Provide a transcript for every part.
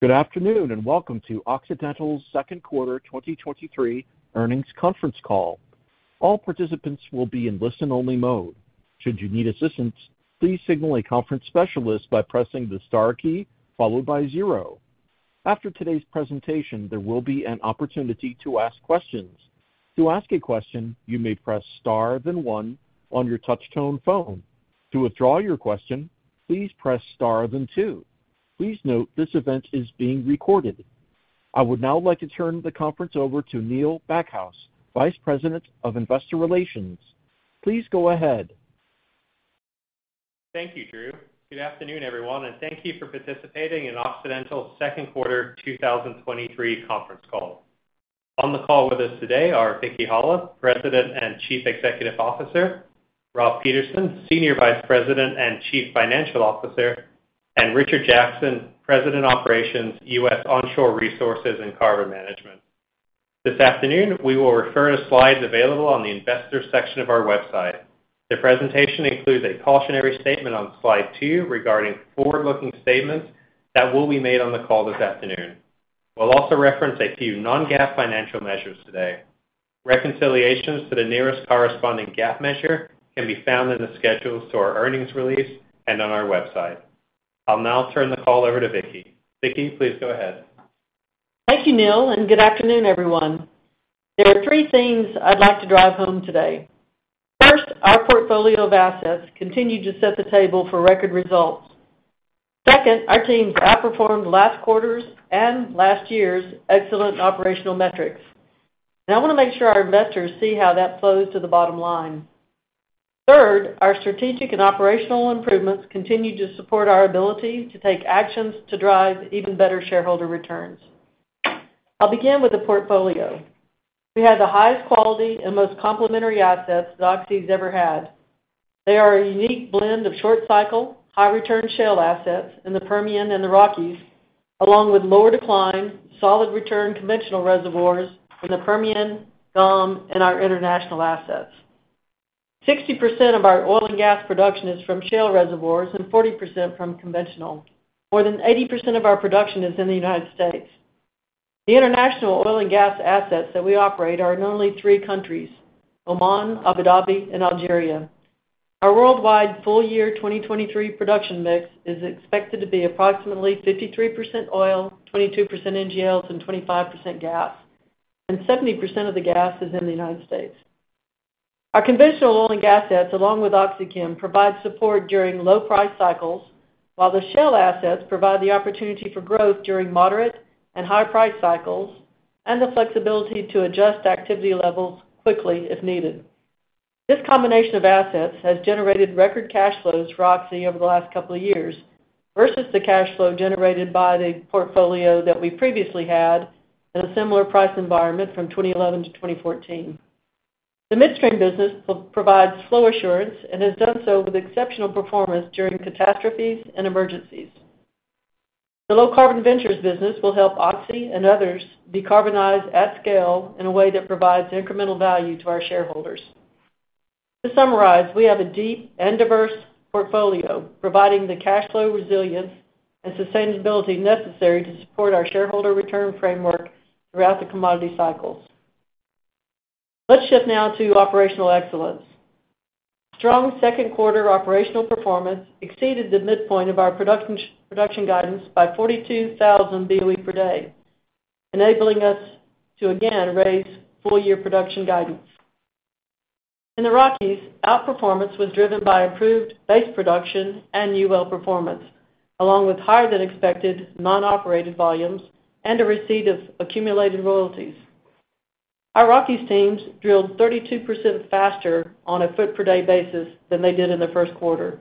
Good afternoon, welcome to Occidental's second quarter 2023 earnings conference call. All participants will be in listen-only mode. Should you need assistance, please signal a conference specialist by pressing the star key followed by zero. After today's presentation, there will be an opportunity to ask questions. To ask a question, you may press star, then one on your touch-tone phone. To withdraw your question, please press star, then two. Please note, this event is being recorded. I would now like to turn the conference over to Neil Mehta, Vice President of Investor Relations. Please go ahead. Thank you, Drew. Good afternoon, everyone, and thank you for participating in Occidental's second quarter 2023 conference call. On the call with us today are Vicki Hollub, President and Chief Executive Officer, Rob Peterson, Senior Vice President and Chief Financial Officer, and Richard Jackson, President, Operations, U.S. Onshore Resources and Carbon Management. This afternoon, we will refer to slides available on the Investors section of our website. The presentation includes a cautionary statement on slide 2 regarding forward-looking statements that will be made on the call this afternoon. We'll also reference a few non-GAAP financial measures today. Reconciliations to the nearest corresponding GAAP measure can be found in the schedules to our earnings release and on our website. I'll now turn the call over to Vicki. Vicki, please go ahead. Thank you, Neil. Good afternoon, everyone. There are three things I'd like to drive home today. First, our portfolio of assets continued to set the table for record results. Second, our teams outperformed last quarter's and last year's excellent operational metrics. I wanna make sure our investors see how that flows to the bottom line. Third, our strategic and operational improvements continued to support our ability to take actions to drive even better shareholder returns. I'll begin with the portfolio. We have the highest quality and most complementary assets that Oxy's ever had. They are a unique blend of short cycle, high return shale assets in the Permian and the Rockies, along with lower decline, solid return conventional reservoirs in the Permian, GOM, and our international assets. 60% of our oil and gas production is from shale reservoirs and 40% from conventional. More than 80% of our production is in the United States. The international oil and gas assets that we operate are in only three countries, Oman, Abu Dhabi and Algeria. Our worldwide full year 2023 production mix is expected to be approximately 53% oil, 22% NGLs, and 25% gas, and 70% of the gas is in the United States. Our conventional oil and gas assets, along with OxyChem, provide support during low price cycles, while the shale assets provide the opportunity for growth during moderate and high price cycles, and the flexibility to adjust activity levels quickly if needed. This combination of assets has generated record cash flows for Oxy over the last couple of years, versus the cash flow generated by the portfolio that we previously had in a similar price environment from 2011–2014. The midstream business provides flow assurance and has done so with exceptional performance during catastrophes and emergencies. The Low Carbon Ventures business will help Oxy and others decarbonize at scale in a way that provides incremental value to our shareholders. To summarize, we have a deep and diverse portfolio, providing the cash flow resilience and sustainability necessary to support our shareholder return framework throughout the commodity cycles. Let's shift now to operational excellence. Strong second quarter operational performance exceeded the midpoint of our production guidance by 42,000 BOE per day, enabling us to again raise full year production guidance. In the Rockies, outperformance was driven by improved base production and new well performance, along with higher than expected non-operated volumes and a receipt of accumulated royalties. Our Rockies teams drilled 32% faster on a foot per day basis than they did in the first quarter.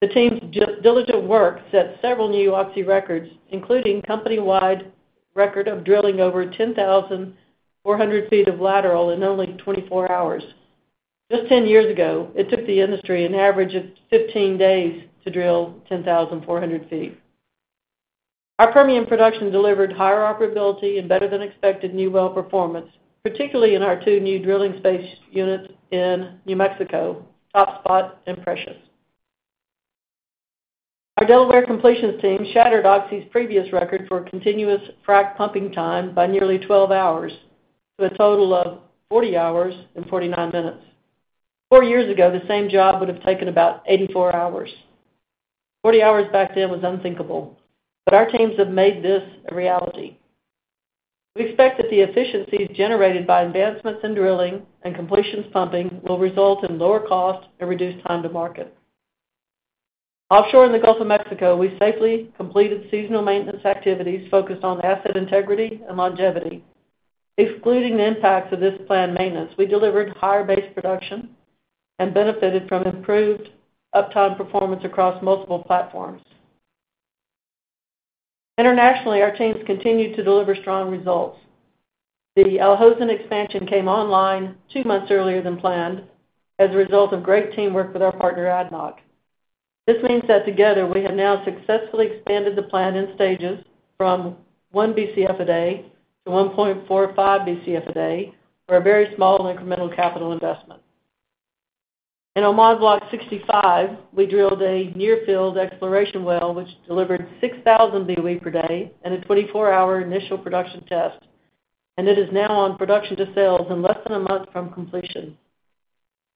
The team's diligent work set several new Oxy records, including company-wide record of drilling over 10,400 feet of lateral in only 24 hours. Just 10 years ago, it took the industry an average of 15 days to drill 10,400 feet. Our Permian production delivered higher operability and better than expected new well performance, particularly in our 2 new drilling space units in New Mexico, Top Spot and Precious. Our Delaware completions team shattered Oxy's previous record for continuous frack pumping time by nearly 12 hours, to a total of 40 hours and 49 minutes. 4 years ago, the same job would have taken about 84 hours. 40 hours back then was unthinkable, but our teams have made this a reality. We expect that the efficiencies generated by advancements in drilling and completions pumping will result in lower cost and reduced time to market. Offshore in the Gulf of Mexico, we safely completed seasonal maintenance activities focused on asset integrity and longevity. Excluding the impacts of this planned maintenance, we delivered higher base production and benefited from improved uptime performance across multiple platforms. Internationally, our teams continued to deliver strong results. The Al Hosn expansion came online two months earlier than planned as a result of great teamwork with our partner, ADNOC. This means that together, we have now successfully expanded the plant in stages from 1 BCF a day to 1.45 BCF a day for a very small incremental capital investment. In Oman Block 65, we drilled a near field exploration well, which delivered 6,000 BOE per day and a 24-hour initial production test, and it is now on production to sales in less than a month from completion.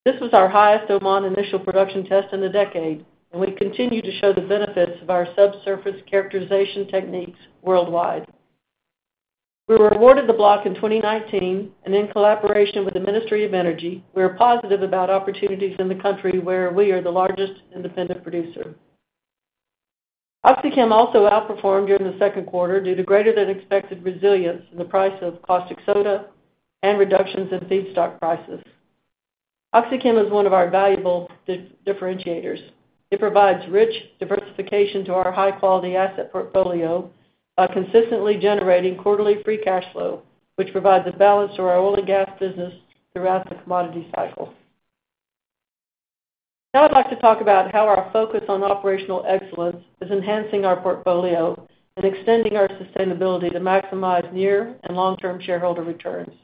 This was our highest Oman initial production test in a decade. We continue to show the benefits of our subsurface characterization techniques worldwide. We were awarded the block in 2019, and in collaboration with the Ministry of Energy, we are positive about opportunities in the country where we are the largest independent producer. OxyChem also outperformed during the second quarter due to greater than expected resilience in the price of caustic soda and reductions in feedstock prices. OxyChem is one of our valuable differentiators. It provides rich diversification to our high-quality asset portfolio by consistently generating quarterly free cash flow, which provides a balance to our oil and gas business throughout the commodity cycle. Now I'd like to talk about how our focus on operational excellence is enhancing our portfolio and extending our sustainability to maximize near and long-term shareholder returns.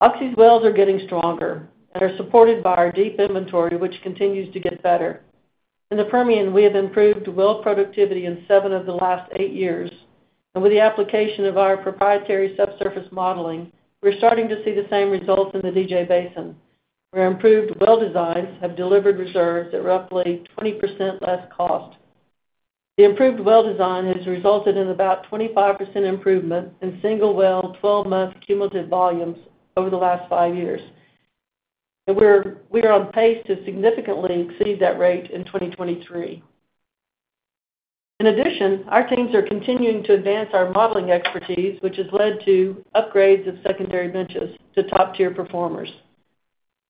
Oxy's wells are getting stronger and are supported by our deep inventory, which continues to get better. In the Permian, we have improved well productivity in seven of the last eight years, with the application of our proprietary subsurface modeling, we're starting to see the same results in the DJ Basin, where improved well designs have delivered reserves at roughly 20% less cost. The improved well design has resulted in about 25% improvement in single well, 12-month cumulative volumes over the last five years. We are on pace to significantly exceed that rate in 2023. In addition, our teams are continuing to advance our modeling expertise, which has led to upgrades of secondary benches to top-tier performers.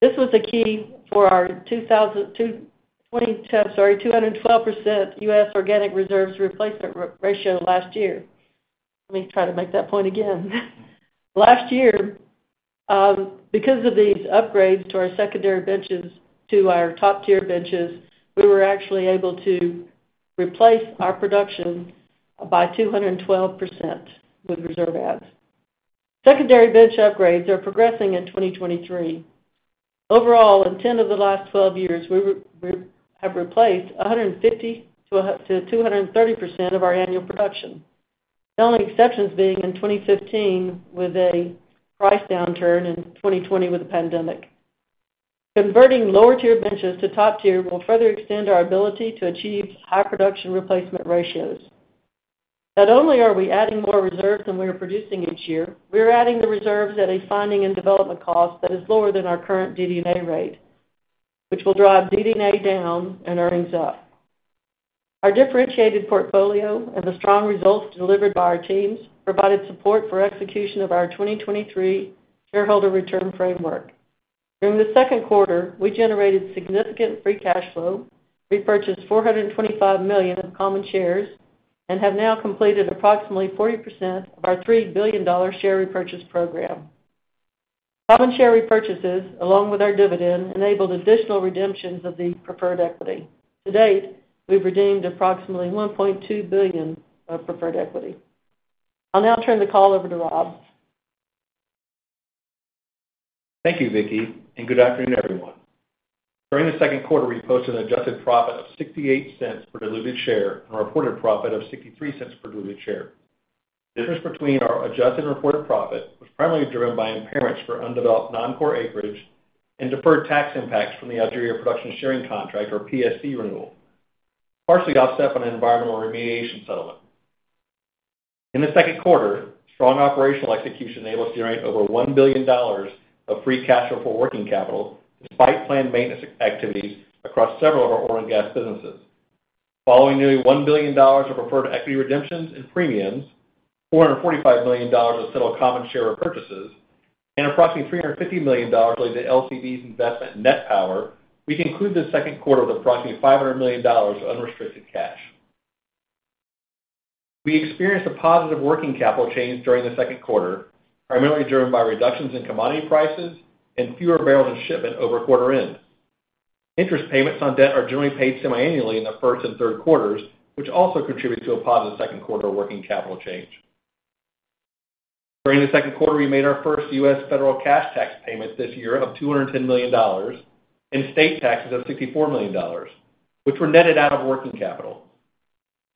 This was a key for our 212% U.S. organic reserves replacement ratio last year. Let me try to make that point again. Last year, because of these upgrades to our secondary benches, to our top-tier benches, we were actually able to replace our production by 212% with reserve adds. Secondary bench upgrades are progressing in 2023. Overall, in 10 of the last 12 years, we have replaced 150% to 230% of our annual production. The only exceptions being in 2015, with a price downturn, in 2020 with the pandemic. Converting lower-tier benches to top tier will further extend our ability to achieve high production replacement ratios. Not only are we adding more reserves than we are producing each year, we are adding the reserves at a finding and development cost that is lower than our current DD&A rate, which will drive DD&A down and earnings up. Our differentiated portfolio and the strong results delivered by our teams provided support for execution of our 2023 shareholder return framework. During the second quarter, we generated significant free cash flow, repurchased $425 million of common shares, and have now completed approximately 40% of our $3 billion share repurchase program. Common share repurchases, along with our dividend, enabled additional redemptions of the preferred equity. To date, we've redeemed approximately $1.2 billion of preferred equity. I'll now turn the call over to Rob. Thank you, Vicki, and good afternoon, everyone. During the second quarter, we posted an adjusted profit of $0.68 per diluted share and a reported profit of $0.63 per diluted share. The difference between our adjusted and reported profit was primarily driven by impairments for undeveloped non-core acreage and deferred tax impacts from the Algeria production sharing contract, or PSC, renewal, partially offset by an environmental remediation settlement. In the second quarter, strong operational execution enabled us to generate over $1 billion of free cash flow before working capital, despite planned maintenance activities across several of our oil and gas businesses. Following nearly $1 billion of preferred equity redemptions and premiums, $445 million of settled common share repurchases, and approximately $350 million related to LCV's investment in NET Power, we conclude the second quarter with approximately $500 million of unrestricted cash. We experienced a positive working capital change during the second quarter, primarily driven by reductions in commodity prices and fewer barrels in shipment over quarter end. Interest payments on debt are generally paid semiannually in the first and third quarters, which also contributes to a positive second quarter working capital change. During the second quarter, we made our first U.S. federal cash tax payments this year of $210 million and state taxes of $64 million, which were netted out of working capital.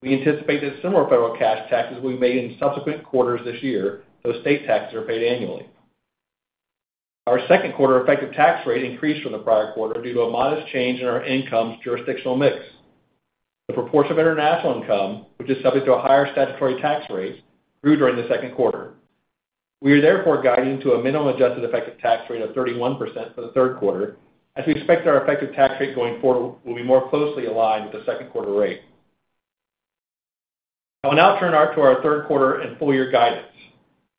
We anticipate that similar federal cash taxes will be made in subsequent quarters this year, though state taxes are paid annually. Our second quarter effective tax rate increased from the prior quarter due to a modest change in our income's jurisdictional mix. The proportion of international income, which is subject to a higher statutory tax rate, grew during the second quarter. We are therefore guiding to a minimum adjusted effective tax rate of 31% for the third quarter, as we expect our effective tax rate going forward will be more closely aligned with the second quarter rate. I will now turn to our third quarter and full-year guidance.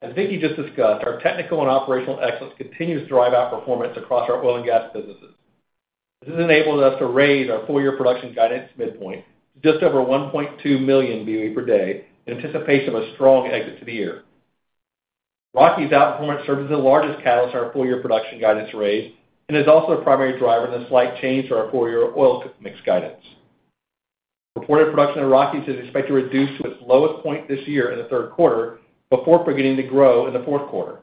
As Vicki just discussed, our technical and operational excellence continues to drive outperformance across our oil and gas businesses. This enables us to raise our full-year production guidance midpoint to just over 1.2 million BOE per day in anticipation of a strong exit to the year. Rockies outperformance serves as the largest catalyst in our full-year production guidance raise and is also a primary driver in the slight change to our full-year oil mix guidance. Reported production in Rockies is expected to reduce to its lowest point this year in the third quarter, before beginning to grow in the fourth quarter.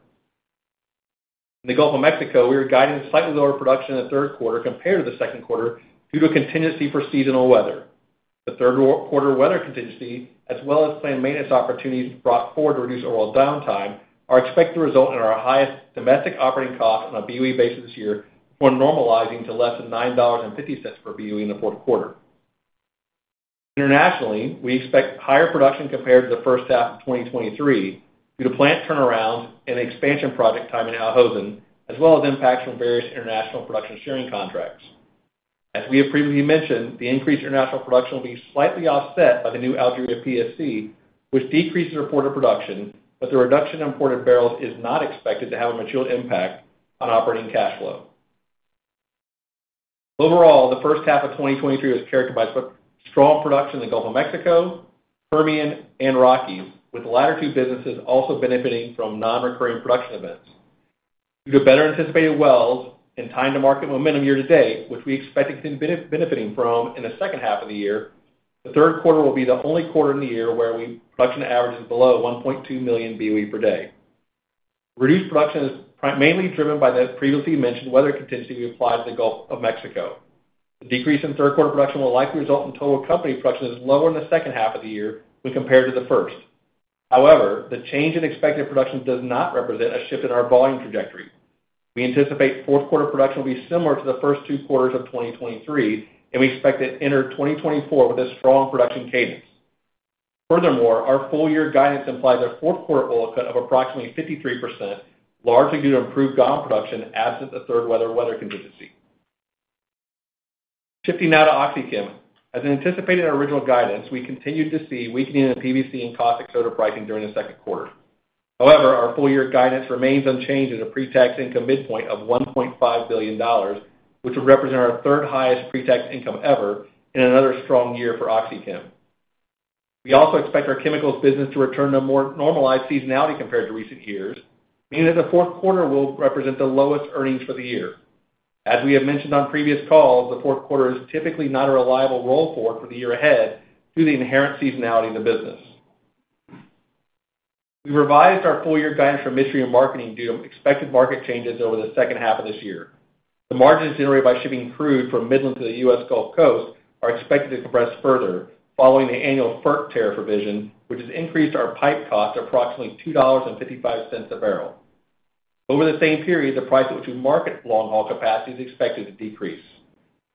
In the Gulf of Mexico, we are guiding slightly lower production in the third quarter compared to the second quarter due to a contingency for seasonal weather. The third quarter weather contingency, as well as planned maintenance opportunities brought forward to reduce overall downtime, are expected to result in our highest domestic operating cost on a BOE basis this year, before normalizing to less than $9.50 per BOE in the fourth quarter. Internationally, we expect higher production compared to the first half of 2023 due to plant turnarounds and expansion project timing in Al Hosn, as well as impacts from various international production sharing contracts. As we have previously mentioned, the increased international production will be slightly offset by the new Algeria PSC, which decreases reported production, but the reduction in imported barrels is not expected to have a material impact on operating cash flow. Overall, the first half of 2023 was characterized by strong production in the Gulf of Mexico, Permian, and Rockies, with the latter two businesses also benefiting from non-recurring production events. Due to better anticipated wells and time to market momentum year-to-date, which we expect to continue benefiting from in the second half of the year, the third quarter will be the only quarter in the year where production average is below 1.2 million BOE per day. Reduced production is mainly driven by the previously mentioned weather contingency we applied to the Gulf of Mexico. The decrease in third quarter production will likely result in total company production is lower in the second half of the year when compared to the first. However, the change in expected production does not represent a shift in our volume trajectory. We anticipate fourth quarter production will be similar to the first two quarters of 2023. We expect to enter 2024 with a strong production cadence. Furthermore, our full-year guidance implies a fourth quarter oil cut of approximately 53%, largely due to improved Gulf production absent the third weather contingency. Shifting now to OxyChem. As anticipated in our original guidance, we continued to see weakening in the PVC and caustic soda pricing during the second quarter. However, our full-year guidance remains unchanged at a pre-tax income midpoint of $1.5 billion, which would represent our third highest pre-tax income ever and another strong year for OxyChem. We also expect our chemicals business to return to more normalized seasonality compared to recent years, meaning that the fourth quarter will represent the lowest earnings for the year. As we have mentioned on previous calls, the fourth quarter is typically not a reliable roll forward for the year ahead due to the inherent seasonality of the business. We revised our full-year guidance for Midstream and Marketing due to expected market changes over the second half of this year. The margins generated by shipping crude from Midland to the U.S. Gulf Coast are expected to compress further following the annual FERC tariff revision, which has increased our pipe cost to approximately $2.55 a barrel. Over the same period, the price at which we market long-haul capacity is expected to decrease.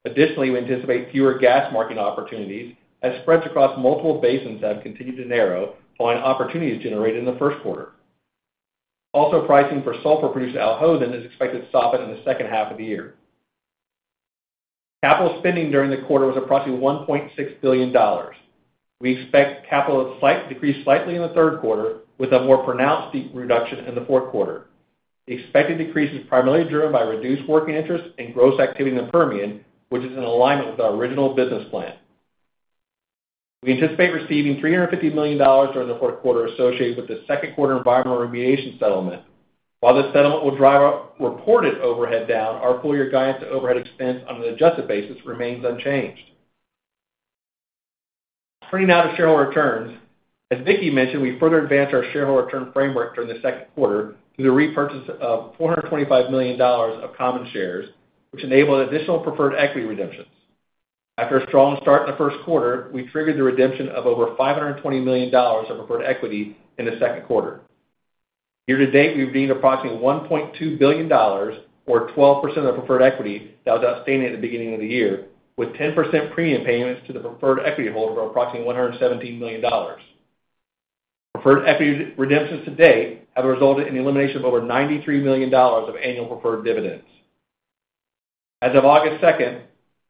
Additionally, we anticipate fewer gas marketing opportunities as spreads across multiple basins have continued to narrow, following opportunities generated in the first quarter. Also, pricing for sulfur produced at Al Hosn is expected to soften in the second half of the year. Capital spending during the quarter was approximately $1.6 billion. We expect capital to decrease slightly in the third quarter with a more pronounced reduction in the fourth quarter. The expected decrease is primarily driven by reduced working interest and gross activity in the Permian, which is in alignment with our original business plan. We anticipate receiving $350 million during the fourth quarter associated with the second quarter environmental remediation settlement. While this settlement will drive our reported overhead down, our full-year guidance to overhead expense on an adjusted basis remains unchanged. Turning now to shareholder returns. As Vicki mentioned, we further advanced our shareholder return framework during the second quarter through the repurchase of $425 million of common shares, which enabled additional preferred equity redemptions. After a strong start in the first quarter, we triggered the redemption of over $520 million of preferred equity in the second quarter. Year to date, we've redeemed approximately $1.2 billion, or 12% of the preferred equity that was outstanding at the beginning of the year, with 10% premium payments to the preferred equity holder of approximately $117 million. Preferred equity redemptions to date have resulted in the elimination of over $93 million of annual preferred dividends. As of August 2,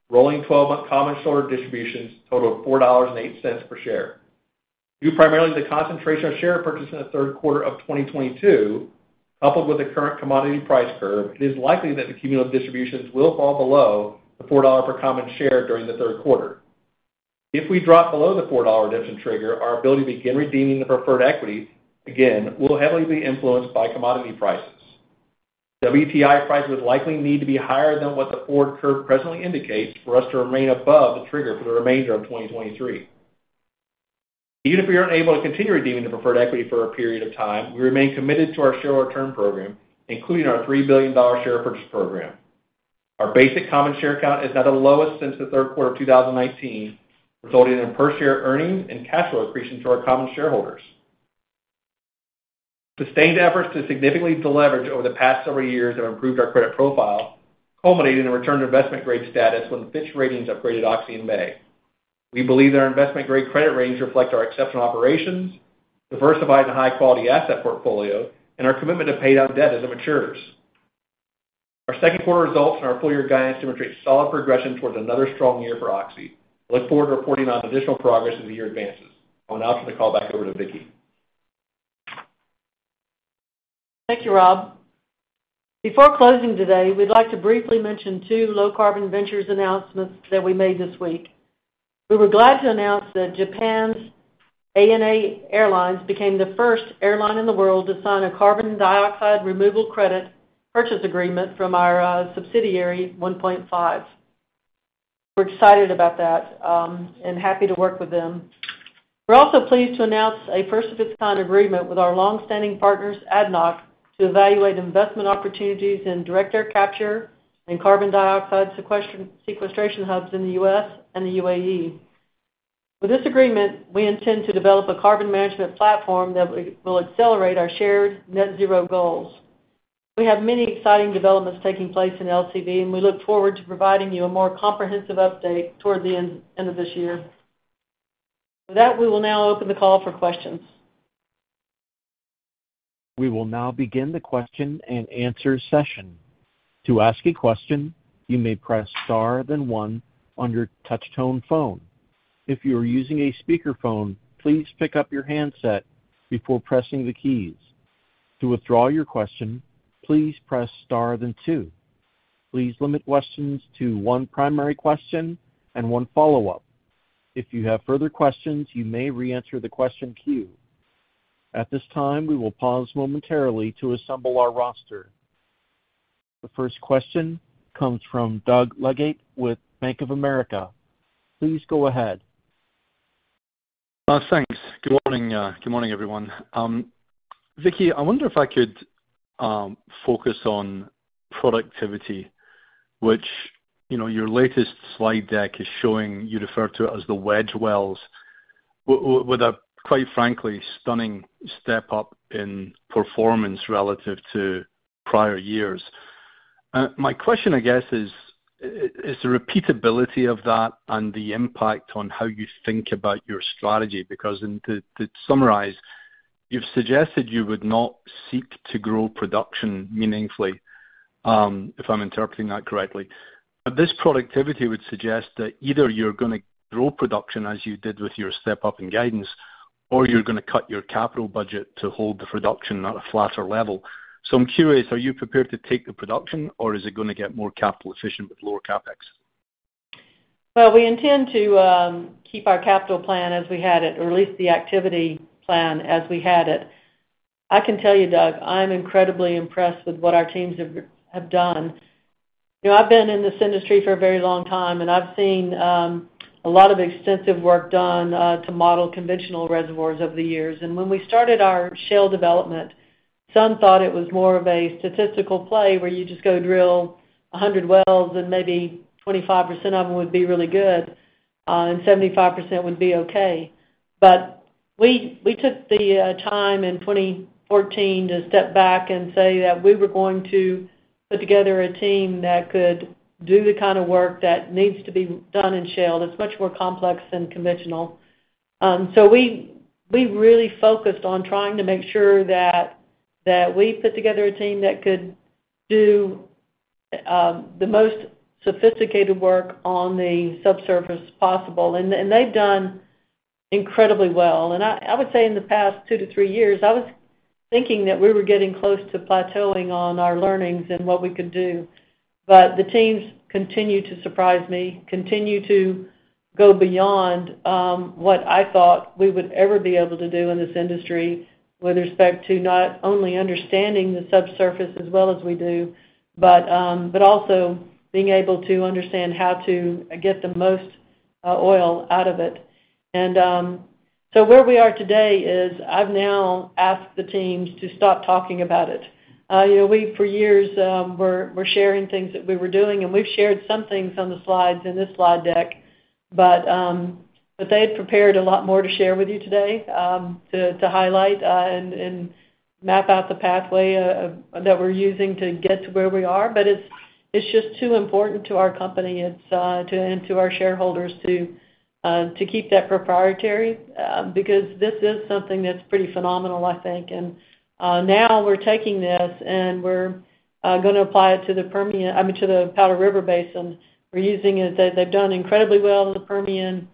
rolling twelve-month common shareholder distributions totaled $4.08 per share. Due primarily to the concentration of share purchases in the third quarter of 2022, coupled with the current commodity price curve, it is likely that the cumulative distributions will fall below the $4 per common share during the third quarter. If we drop below the $4 redemption trigger, our ability to begin redeeming the preferred equity again will heavily be influenced by commodity prices. WTI prices would likely need to be higher than what the forward curve presently indicates for us to remain above the trigger for the remainder of 2023. Even if we are unable to continue redeeming the preferred equity for a period of time, we remain committed to our shareholder return program, including our $3 billion share repurchase program. Our basic common share count is at the lowest since the third quarter of 2019, resulting in per share earnings and cash flow accretion to our common shareholders. Sustained efforts to significantly deleverage over the past several years have improved our credit profile, culminating in a return to investment-grade status when Fitch Ratings upgraded Oxy in May. We believe that our investment-grade credit ratings reflect our exceptional operations, diversified and high-quality asset portfolio, and our commitment to pay down debt as it matures. Our second quarter results and our full-year guidance demonstrate solid progression towards another strong year for Oxy. I look forward to reporting on additional progress as the year advances. I'll now turn the call back over to Vicki. Thank you, Rob. Before closing today, we'd like to briefly mention two low-carbon ventures announcements that we made this week. We were glad to announce that ANA Airlines became the first airline in the world to sign a carbon dioxide removal credit purchase agreement from our subsidiary, 1PointFive. We're excited about that, and happy to work with them. We're also pleased to announce a first-of-its-kind agreement with our long-standing partners, ADNOC, to evaluate investment opportunities in direct air capture and carbon dioxide sequestration hubs in the U.S. and the UAE. With this agreement, we intend to develop a carbon management platform that will accelerate our shared net zero goals. We have many exciting developments taking place in LCV, and we look forward to providing you a more comprehensive update toward the end of this year. With that, we will now open the call for questions. We will now begin the question and answer session. To ask a question, you may press star then one on your touch-tone phone. If you are using a speakerphone, please pick up your handset before pressing the keys. To withdraw your question, please press star then two. Please limit questions to one primary question and one follow-up. If you have further questions, you may reenter the question queue. At this time, we will pause momentarily to assemble our roster. The first question comes from Doug Legate with Bank of America. Please go ahead. Thanks. Good morning, good morning, everyone. Vicki, I wonder if I could focus on productivity, which, you know, your latest slide deck is showing, you refer to it as the wedge wells, with a, quite frankly, stunning step-up in performance relative to prior years. My question, I guess, is, is the repeatability of that and the impact on how you think about your strategy, because and to, to summarize, you've suggested you would not seek to grow production meaningfully, if I'm interpreting that correctly. This productivity would suggest that either you're going to grow production as you did with your step-up in guidance, or you're going to cut your capital budget to hold the production at a flatter level. I'm curious, are you prepared to take the production, or is it going to get more capital efficient with lower CapEx? Well, we intend to keep our capital plan as we had it, or at least the activity plan as we had it. I can tell you, Doug, I'm incredibly impressed with what our teams have, have done. You know, I've been in this industry for a very long time, and I've seen a lot of extensive work done to model conventional reservoirs over the years. When we started our shale development, some thought it was more of a statistical play where you just go drill 100 wells and maybe 25% of them would be really good, and 75% would be okay. We, we took the time in 2014 to step back and say that we were going to put together a team that could do the kind of work that needs to be done in shale. It's much more complex than conventional. We, we really focused on trying to make sure that, that we put together a team that could do, the most sophisticated work on the subsurface possible, and they've done incredibly well. I, I would say in the past two to three years, I was thinking that we were getting close to plateauing on our learnings and what we could do. The teams continue to surprise me, continue to go beyond, what I thought we would ever be able to do in this industry, with respect to not only understanding the subsurface as well as we do, but also being able to understand how to get the most, oil out of it. Where we are today is I've now asked the teams to stop talking about it. For years, were sharing things that we were doing, and we've shared some things on the slides in this slide deck. They had prepared a lot more to share with you today to highlight and map out the pathway that we're using to get to where we are. But it's just too important to our company, and to our shareholders to keep that proprietary, because this is something that's pretty phenomenal, I think. Now we're taking this, and we're going to apply it to the Permian— I mean to the Powder River Basin. We're using it. They've done incredibly well in the Permian.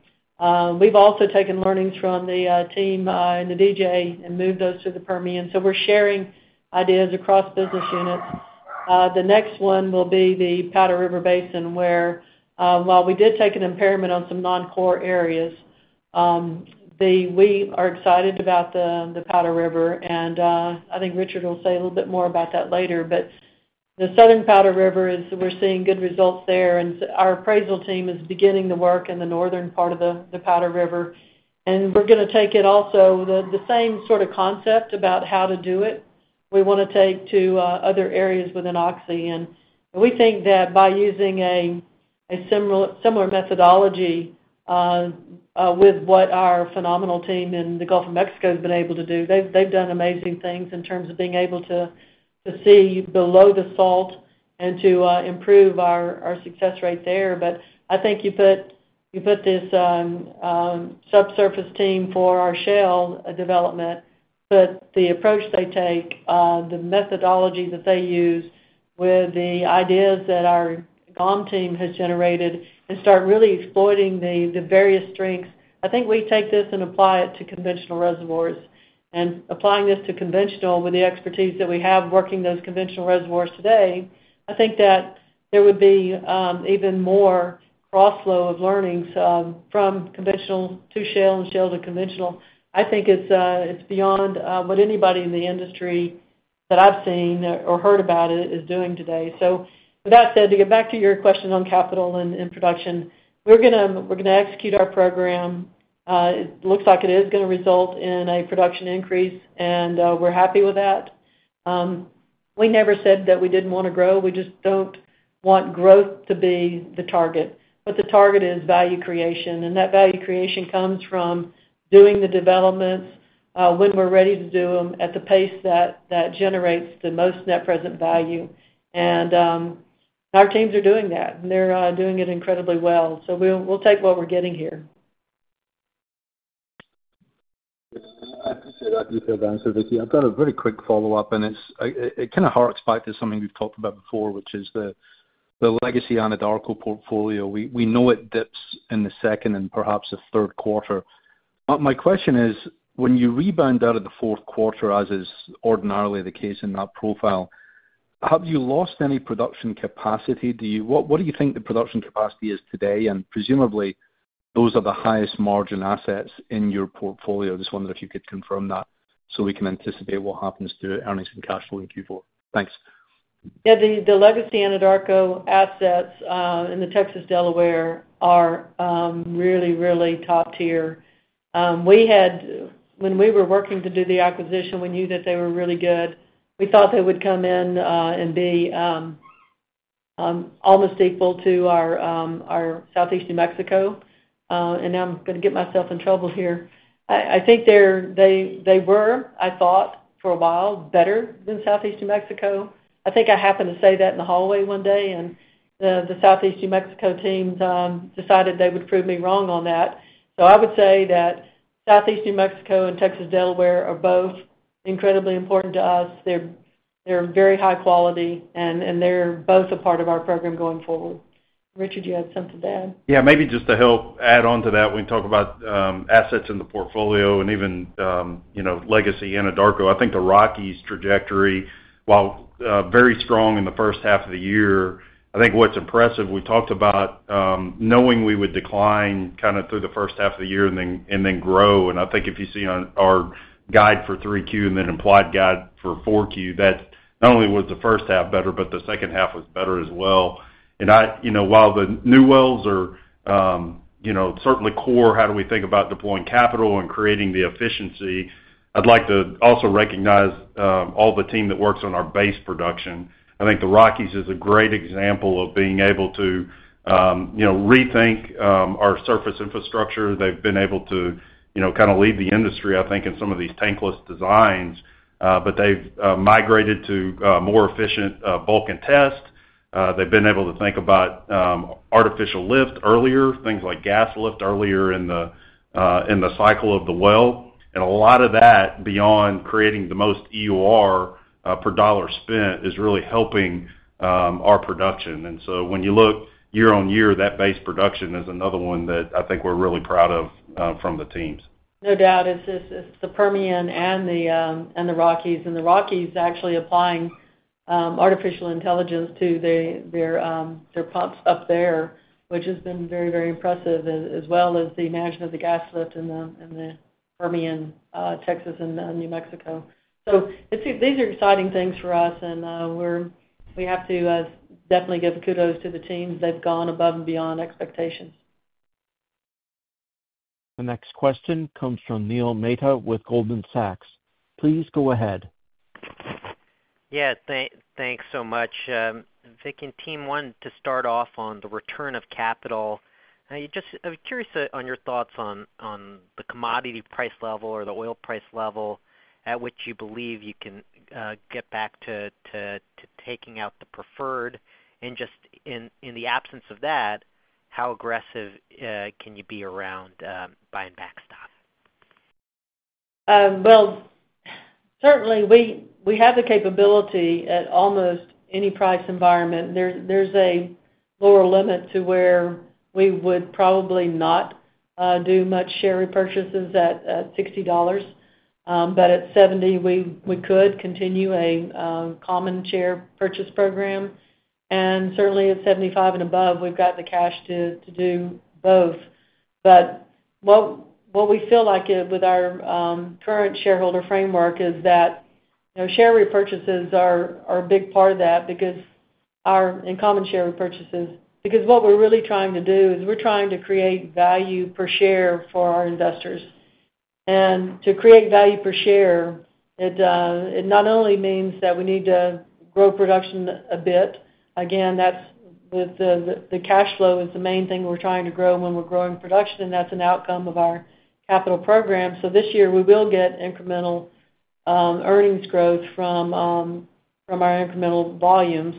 We've also taken learnings from the team in the DJ and moved those to the Permian. We're sharing ideas across business units. The next one will be the Powder River Basin, where, while we did take an impairment on some non-core areas, we are excited about the Powder River, I think Richard will say a little bit more about that later. The Southern Powder River is, we're seeing good results there, our appraisal team is beginning the work in the northern part of the Powder River. We're going to take it also. The same sort of concept about how to do it, we wanna take to other areas within Oxy. We think that by using a, a similar, similar methodology with what our phenomenal team in the Gulf of Mexico has been able to do, they've, they've done amazing things in terms of being able to see below the salt and to improve our success rate there. I think you put, you put this subsurface team for our shale development, put the approach they take, the methodology that they use with the ideas that our GOM team has generated and start really exploiting the various strengths. I think we take this and apply it to conventional reservoirs. Applying this to conventional with the expertise that we have working those conventional reservoirs today, I think that there would be even more crossflow of learnings from conventional to shale and shale to conventional. I think it's, it's beyond what anybody in the industry... that I've seen or heard about it is doing today. With that said, to get back to your question on capital and, and production, we're going to, we're going to execute our program. It looks like it is going to result in a production increase, and we're happy with that. We never said that we didn't wanna grow. We just don't want growth to be the target, but the target is value creation. That value creation comes from doing the developments, when we're ready to do them, at the pace that, that generates the most net present value. Our teams are doing that, and they're doing it incredibly well. We'll, we'll take what we're getting here. I have to say, that's a good answer, Vicki. I've got a very quick follow-up, and it's, it kind of harks back to something we've talked about before, which is the, the legacy Anadarko portfolio. We, we know it dips in the second and perhaps the third quarter. My question is, when you rebound out of the fourth quarter, as is ordinarily the case in that profile, have you lost any production capacity? What, what do you think the production capacity is today? Presumably, those are the highest margin assets in your portfolio. I just wondered if you could confirm that so we can anticipate what happens to earnings and cash flow in Q4. Thanks. Yeah. The, the legacy Anadarko assets in the Texas Delaware are really, really top tier. We had when we were working to do the acquisition, we knew that they were really good. We thought they would come in and be almost equal to our Southeast New Mexico. Now I'm going to get myself in trouble here. I, I think they're, they, they were, I thought, for a while, better than Southeast New Mexico. I think I happened to say that in the hallway one day, and the Southeast New Mexico teams decided they would prove me wrong on that. I would say that Southeast New Mexico and Texas Delaware are both incredibly important to us. They're, they're very high quality, and they're both a part of our program going forward. Richard, you had something to add? Yeah, maybe just to help add on to that, when we talk about assets in the portfolio and even, you know, legacy Anadarko, I think the Rockies trajectory, while very strong in the first half of the year, I think what's impressive, we talked about knowing we would decline kind of through the first half of the year and then, and then grow. And I think if you see on our guide for 3Q and then implied guide for 4Q, that not only was the first half better, but the second half was better as well. I... You know, while the new wells are, you know, certainly core, how do we think about deploying capital and creating the efficiency, I'd like to also recognize all the team that works on our base production. I think the Rockies is a great example of being able to, you know, rethink our surface infrastructure. They've been able to, you know, kind of lead the industry, I think, in some of these tankless designs, but they've migrated to more efficient bulk and test. They've been able to think about artificial lift earlier, things like gas lift earlier in the cycle of the well. A lot of that, beyond creating the most EUR per dollar spent, is really helping our production. So when you look year on year, that base production is another one that I think we're really proud of from the teams. No doubt. It's, it's, it's the Permian and the, and the Rockies. The Rockies actually applying, artificial intelligence to their, their, their pumps up there, which has been very, very impressive, as, as well as the management of the gas lift in the, in the Permian, Texas, and New Mexico. These are exciting things for us, and we have to, definitely give kudos to the teams. They've gone above and beyond expectations. The next question comes from Neil Backhouse with Goldman Sachs. Please go ahead. Yeah, thank, thanks so much. Vicki and team, 1, to start off on the return of capital, I'm curious on your thoughts on, on the commodity price level or the oil price level at which you believe you can get back to, to, to taking out the preferred, and just in, in the absence of that, how aggressive can you be around buying back stock? Well, certainly, we, we have the capability at almost any price environment. There's, there's a lower limit to where we would probably not do much share repurchases at, at $60. At $70, we, we could continue a common share purchase program. Certainly, at $75 and above, we've got the cash to, to do both. What, what we feel like with our current shareholder framework is that, you know, share repurchases are, are a big part of that because common share repurchases, because what we're really trying to do is we're trying to create value per share for our investors. To create value per share, it not only means that we need to grow production a bit, again, that's with the cash flow is the main thing we're trying to grow when we're growing production, and that's an outcome of our capital program. This year, we will get incremental earnings growth from our incremental volumes,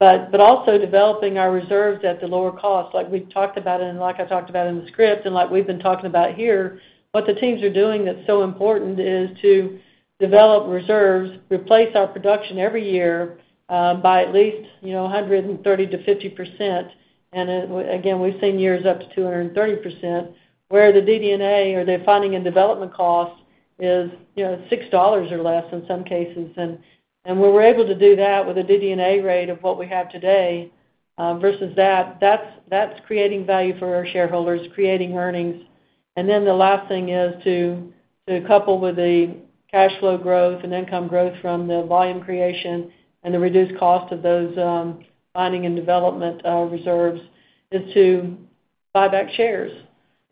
but also developing our reserves at the lower cost. Like we've talked about and like I talked about in the script and like we've been talking about here, what the teams are doing that's so important is to develop reserves, replace our production every year, by at least, you know, 130%–50%. Again, we've seen years up to 230%, where the DD&A, or the finding and development cost, is, you know, $6 or less in some cases. When we're able to do that with a DD&A rate of what we have today, versus that, that's, that's creating value for our shareholders, creating earnings. The last thing is to, to couple with the cash flow growth and income growth from the volume creation and the reduced cost of those, finding and development, reserves, is to buy back shares,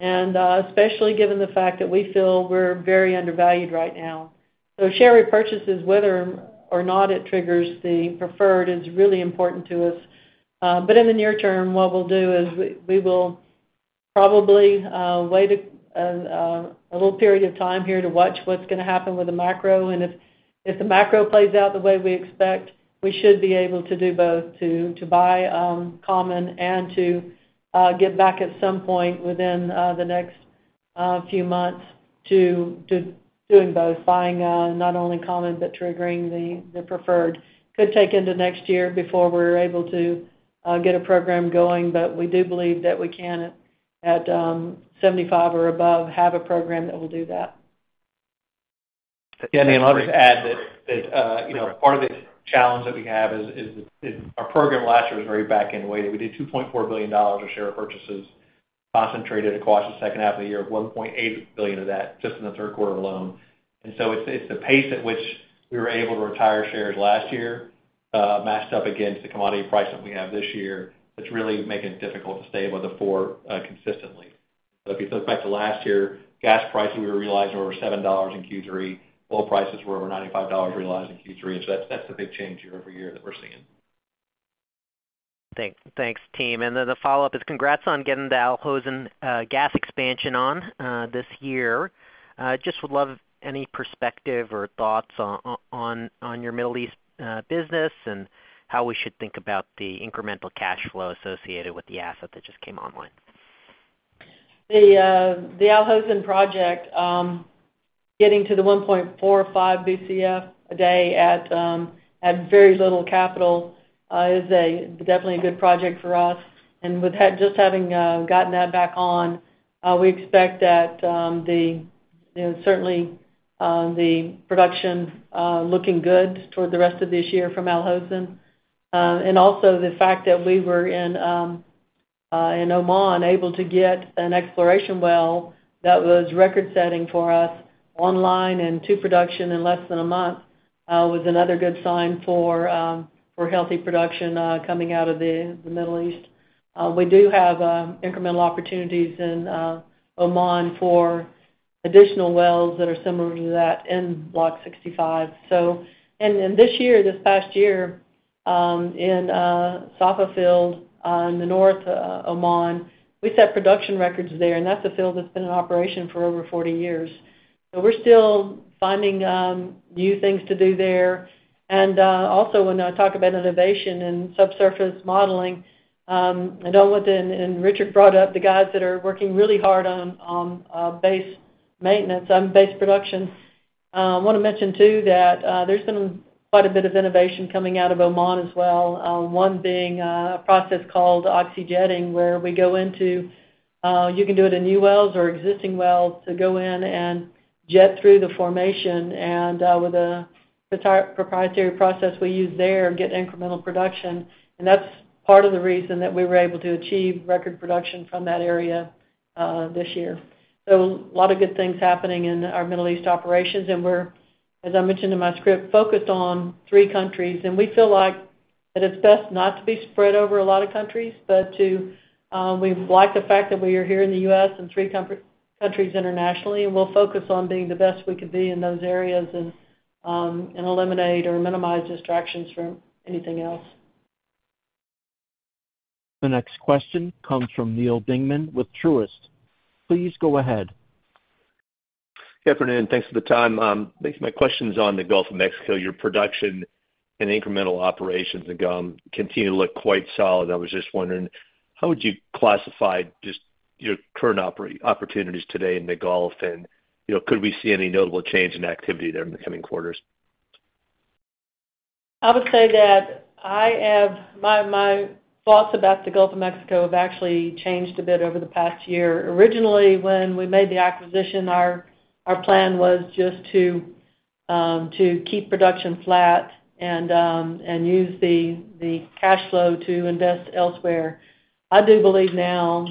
especially given the fact that we feel we're very undervalued right now. Share repurchases, whether or not it triggers the preferred, is really important to us. In the near term, what we'll do is we, we will probably wait a little period of time here to watch what's going to happen with the macro. If, if the macro plays out the way we expect, we should be able to do both, to, to buy common and to get back at some point within the next few months to doing both, buying not only common, but triggering the, the preferred. Could take into next year before we're able to get a program going, but we do believe that we can, at, at $75 or above, have a program that will do that. Yeah, let me just add that, that, you know, part of the challenge that we have is our program last year was very back-end weighted. We did $2.4 billion of share purchases concentrated across the second half of the year, $1.8 billion of that just in the third quarter alone. It's, it's the pace at which we were able to retire shares last year, matched up against the commodity price that we have this year, that's really making it difficult to stay above the $4 consistently. If you think back to last year, gas pricing, we were realizing over $7 in Q3. Oil prices were over $95 realized in Q3. That's, that's a big change year-over-year that we're seeing. Thanks. Thanks, team. The follow-up is congrats on getting the Al Hosn gas expansion on this year. I just would love any perspective or thoughts on, on, on your Middle East business and how we should think about the incremental cash flow associated with the asset that just came online. The Al Hosn project, getting to the 1.45 Bcf per day at very little capital, is a definitely a good project for us. With that, just having gotten that back on, we expect that, you know, certainly, the production looking good toward the rest of this year from Al Hosn. Also the fact that we were in Oman, able to get an exploration well that was record-setting for us, online and to production in less than a month, was another good sign for healthy production coming out of the Middle East. We do have incremental opportunities in Oman for additional wells that are similar to that in Block 65. And then this year, this past year, in Safa Field in northern Oman, we set production records there, and that's a field that's been in operation for over 40 years. We're still finding new things to do there. Also, when I talk about innovation and subsurface modeling, I know Richard brought up the guys that are working really hard on base maintenance, on base production. I wanna mention too, that there's been quite a bit of innovation coming out of Oman as well, one being a process called oxyjetting, where we go into, you can do it in new wells or existing wells, to go in and jet through the formation, and with a proprietary process we use there, get incremental production. That's part of the reason that we were able to achieve record production from that area this year. A lot of good things happening in our Middle East operations, and we're, as I mentioned in my script, focused on three countries. We feel like that it's best not to be spread over a lot of countries, but to. We like the fact that we are here in the U.S. and three countries internationally, and we'll focus on being the best we can be in those areas and eliminate or minimize distractions from anything else. The next question comes from Neil Dingmann with Truist. Please go ahead. Good afternoon, thanks for the time. My question is on the Gulf of Mexico. Your production and incremental operations in GOM continue to look quite solid. I was just wondering, how would you classify just your current opportunities today in the Gulf? you know, could we see any notable change in activity there in the coming quarters? I would say that my thoughts about the Gulf of Mexico have actually changed a bit over the past year. Originally, when we made the acquisition, our plan was just to keep production flat and use the cash flow to invest elsewhere. I do believe now,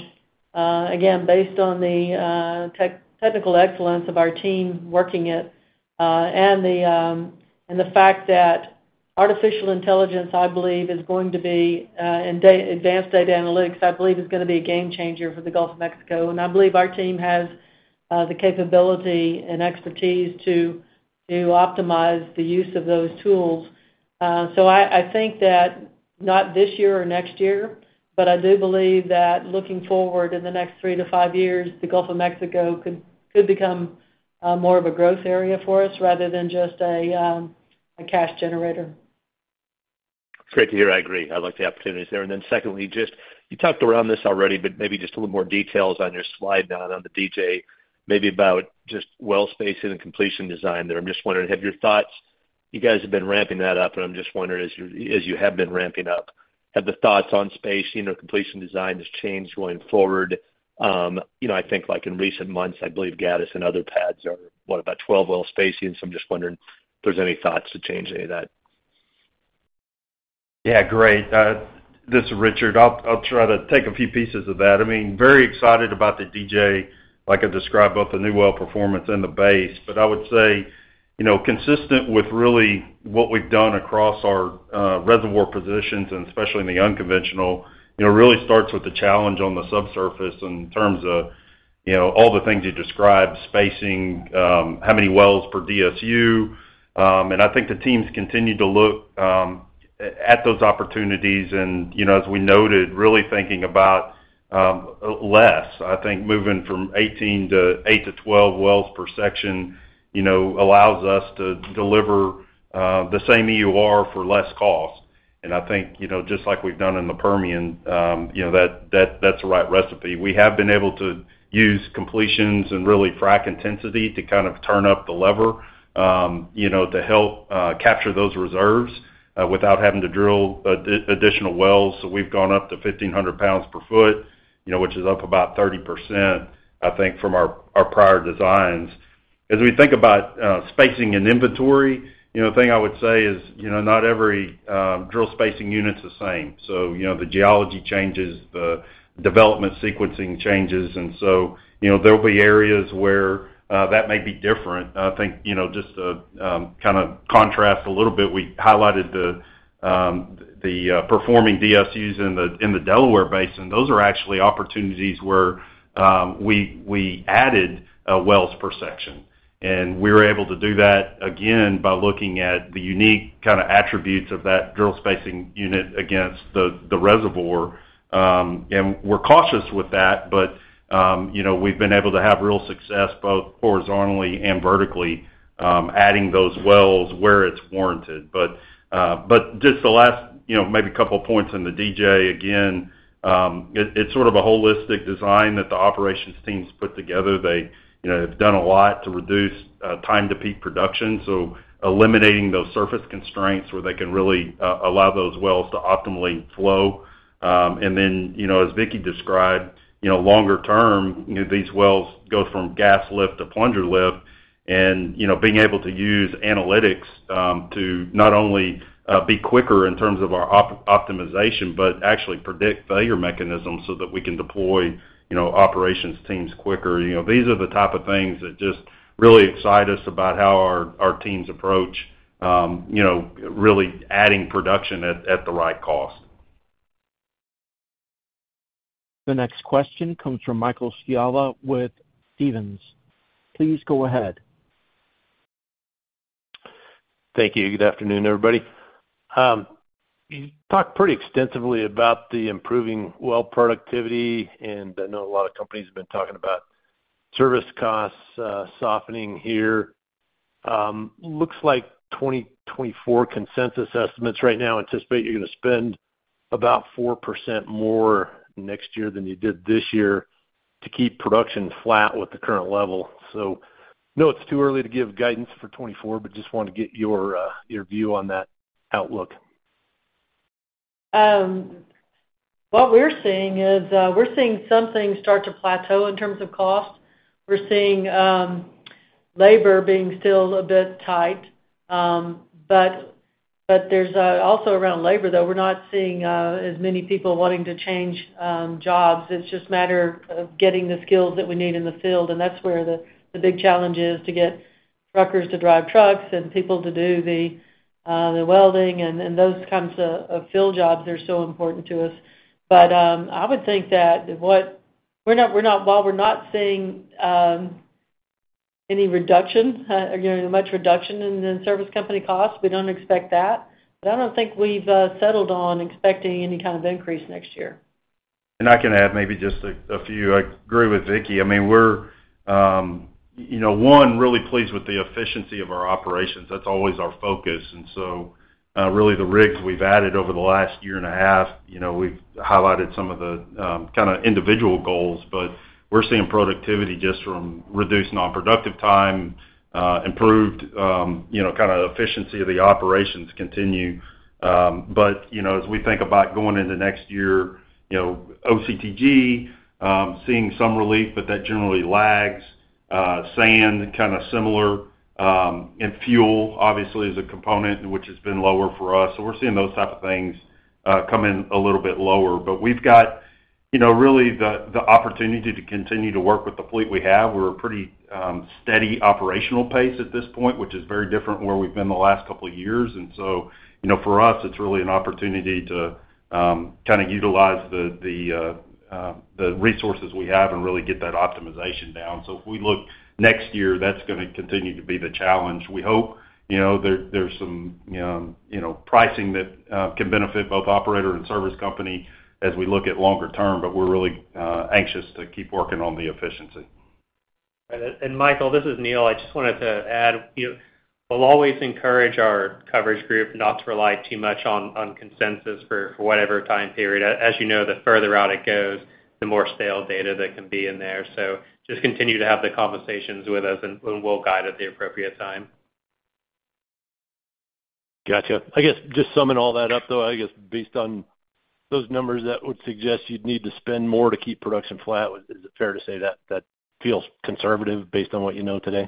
again, based on the technical excellence of our team working it, and the fact that artificial intelligence, I believe, is going to be, and advanced data analytics, I believe, is going to be a game changer for the Gulf of Mexico. I believe our team has the capability and expertise to optimize the use of those tools. I, I think that not this year or next year, but I do believe that looking forward in the next 3 to 5 years, the Gulf of Mexico could, could become more of a growth area for us, rather than just a cash generator. Great to hear. I agree. I like the opportunities there. Then secondly, just, you talked around this already, but maybe just a little more details on your slide down on the DJ, maybe about just well spacing and completion design there. I'm just wondering, have your thoughts, you guys have been ramping that up, and I'm just wondering, as you, as you have been ramping up, have the thoughts on spacing or completion design just changed going forward? You know, I think, like in recent months, I believe Gattis and other pads are, what, about 12 well spacings? I'm just wondering if there's any thoughts to change any of that. Yeah, great. This is Richard. I'll, I'll try to take a few pieces of that. I mean, very excited about the DJ, like I described, both the new well performance and the base. I would say, you know, consistent with really what we've done across our reservoir positions, and especially in the unconventional, you know, it really starts with the challenge on the subsurface in terms of, you know, all the things you described: spacing, how many wells per DSU. And I think the teams continue to look at those opportunities, and, you know, as we noted, really thinking about less. I think moving from 8–12 wells per section, you know, allows us to deliver the same EUR for less cost. I think, you know, just like we've done in the Permian, you know, that, that, that's the right recipe. We have been able to use completions and really frack intensity to kind of turn up the lever, you know, to help capture those reserves without having to drill additional wells. We've gone up to 1,500 pounds per foot, you know, which is up about 30%, I think, from our prior designs. As we think about spacing and inventory, you know, the thing I would say is, you know, not every drill spacing unit's the same. The geology changes, the development sequencing changes, and so, you know, there'll be areas where that may be different. I think, you know, just to kind of contrast a little bit, we highlighted the performing DSUs in the Delaware Basin. Those are actually opportunities where we added wells per section. We were able to do that, again, by looking at the unique kind of attributes of that drill spacing unit against the reservoir. We're cautious with that, but, you know, we've been able to have real success, both horizontally and vertically, adding those wells where it's warranted. Just the last, you know, maybe a couple points on the DJ, again, it's sort of a holistic design that the operations teams put together. They, you know, have done a lot to reduce time to peak production, so eliminating those surface constraints where they can really allow those wells to optimally flow. You know, as Vicki described, you know, longer term, these wells go from gas lift to plunger lift, and, you know, being able to use analytics to not only be quicker in terms of our optimization, but actually predict failure mechanisms so that we can deploy, you know, operations teams quicker. You know, these are the type of things that just really excite us about how our, our teams approach, you know, really adding production at, at the right cost. The next question comes from Michael Scialla with Stephens. Please go ahead. Thank you. Good afternoon, everybody. You talked pretty extensively about the improving well productivity. I know a lot of companies have been talking about service costs, softening here. Looks like 2024 consensus estimates right now anticipate you're going to spend about 4% more next year than you did this year to keep production flat with the current level. Know it's too early to give guidance for 2024, but just wanted to get your view on that outlook. What we're seeing is, we're seeing some things start to plateau in terms of cost. We're seeing labor being still a bit tight, but also around labor, though, we're not seeing as many people wanting to change jobs. It's just a matter of getting the skills that we need in the field, and that's where the big challenge is, to get truckers to drive trucks and people to do the welding and those kinds of field jobs are so important to us. I would think that while we're not seeing any reduction, you know, much reduction in the service company costs, we don't expect that, but I don't think we've settled on expecting any kind of increase next year. I can add maybe just a few. I agree with Vicki. I mean, we're, you know, 1, really pleased with the efficiency of our operations. That's always our focus, really the rigs we've added over the last year and a half, you know, we've highlighted some of the kind of individual goals, but we're seeing productivity just from reduced non-productive time, improved, you know, kind of efficiency of the operations continue. You know, as we think about going into next year, you know, OCTG, seeing some relief, but that generally lags. Sand, kind of similar, and fuel, obviously, is a component which has been lower for us. We're seeing those type of things, come in a little bit lower. We've got, you know, really the, the opportunity to continue to work with the fleet we have. We're a pretty, steady operational pace at this point, which is very different than where we've been the last couple of years. You know, for us, it's really an opportunity to kind of utilize the, the resources we have and really get that optimization down. If we look next year, that's going to continue to be the challenge. We hope, you know, there, there's some, you know, pricing that can benefit both operator and service company as we look at longer term, but we're really anxious to keep working on the efficiency. Michael, this is Neil. I just wanted to add, you know, we'll always encourage our coverage group not to rely too much on, on consensus for, for whatever time period. You know, the further out it goes, the more stale data that can be in there. Just continue to have the conversations with us, and we'll guide at the appropriate time. Gotcha. I guess, just summing all that up, though, I guess based on those numbers, that would suggest you'd need to spend more to keep production flat. Is it fair to say that that feels conservative based on what you know today? ...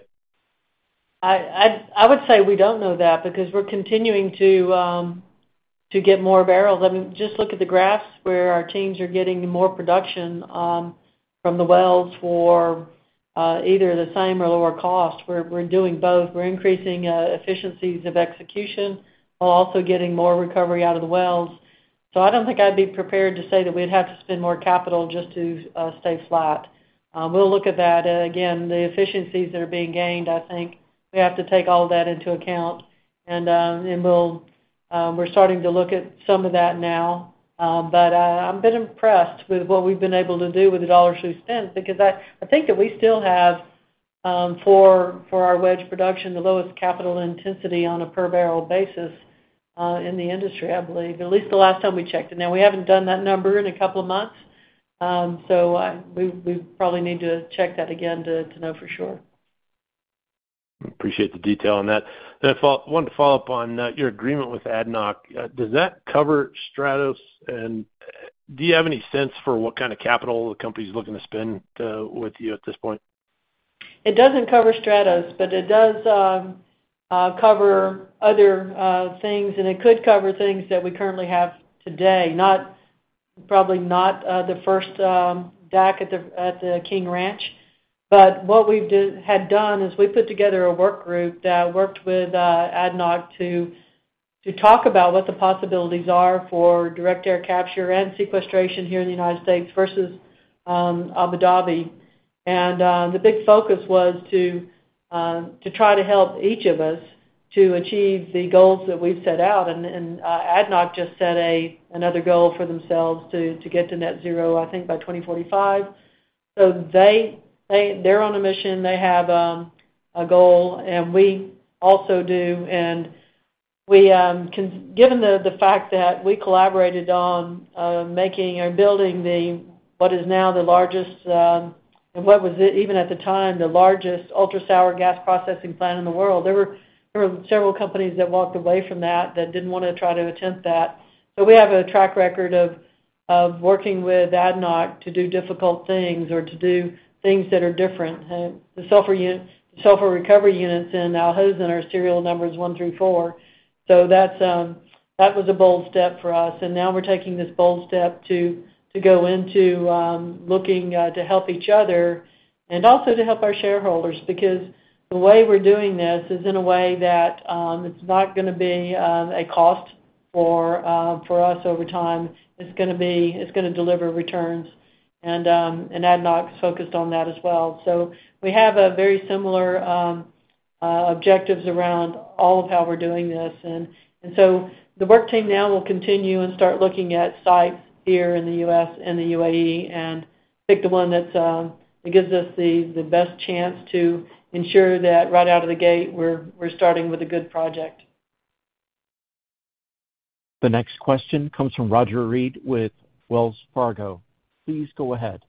I, I, I would say we don't know that because we're continuing to get more barrels. I mean, just look at the graphs where our teams are getting more production from the wells for either the same or lower cost. We're, we're doing both. We're increasing efficiencies of execution while also getting more recovery out of the wells. I don't think I'd be prepared to say that we'd have to spend more capital just to stay flat. We'll look at that. Again, the efficiencies that are being gained, I think we have to take all that into account. We'll, we're starting to look at some of that now. I'm a bit impressed with what we've been able to do with the dollars we spend, because I, I think that we still have, for our wedge production, the lowest capital intensity on a per barrel basis, in the industry, I believe, at least the last time we checked. Now we haven't done that number in a couple of months, we probably need to check that again to know for sure. Appreciate the detail on that. Follow- I wanted to follow up on your agreement with ADNOC. Does that cover Stratos, and do you have any sense for what kind of capital the company's looking to spend with you at this point? It doesn't cover Stratos, but it does cover other things, and it could cover things that we currently have today, not probably not the first DAC at the King Ranch. What we've had done is we put together a work group that worked with ADNOC, to talk about what the possibilities are for direct air capture and sequestration here in the United States versus Abu Dhabi. The big focus was to try to help each of us to achieve the goals that we've set out. ADNOC just set another goal for themselves to get to net zero, I think, by 2045. They, they're on a mission. They have a goal, and we also do. We can. Given the fact that we collaborated on making or building the what is now the largest, and what was even at the time, the largest ultra-sour gas processing plant in the world, there were several companies that walked away from that that didn't want to try to attempt that. We have a track record of working with ADNOC to do difficult things or to do things that are different. The sulfur recovery units in Al Hosn are serial numbers one through four. That was a bold step for us, and now we're taking this bold step to go into looking to help each other and also to help our shareholders. Because the way we're doing this is in a way that it's not going to be a cost for us over time. It's going to be, it's going to deliver returns, and ADNOC's focused on that as well. We have a very similar objectives around all of how we're doing this. The work team now will continue and start looking at sites here in the U.S. and the UAE and pick the one that gives us the, the best chance to ensure that right out of the gate, we're, we're starting with a good project. The next question comes from Roger Read with Wells Fargo. Please go ahead.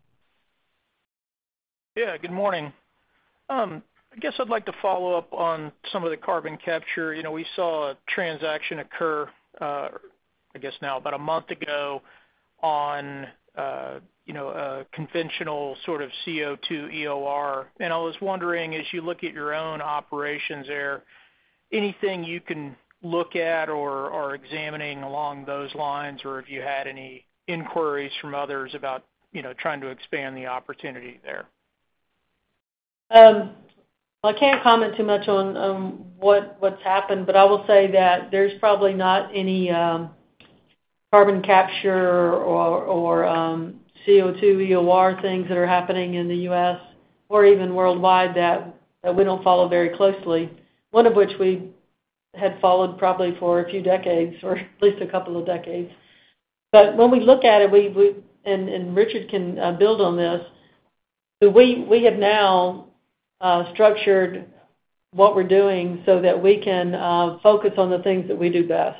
Yeah, good morning. I guess I'd like to follow up on some of the carbon capture. You know, we saw a transaction occur, I guess now about a month ago on, you know, a conventional sort of CO2 EOR. I was wondering, as you look at your own operations there, anything you can look at or are examining along those lines, or if you had any inquiries from others about, you know, trying to expand the opportunity there? Well, I can't comment too much on, on what, what's happened, but I will say that there's probably not any, carbon capture or, or, CO2 EOR things that are happening in the U.S. or even worldwide that, that we don't follow very closely, one of which we had followed probably for a few decades, or at least a couple of decades. When we look at it, we, we-- and, and Richard can, build on this, but we, we have now, structured what we're doing so that we can, focus on the things that we do best.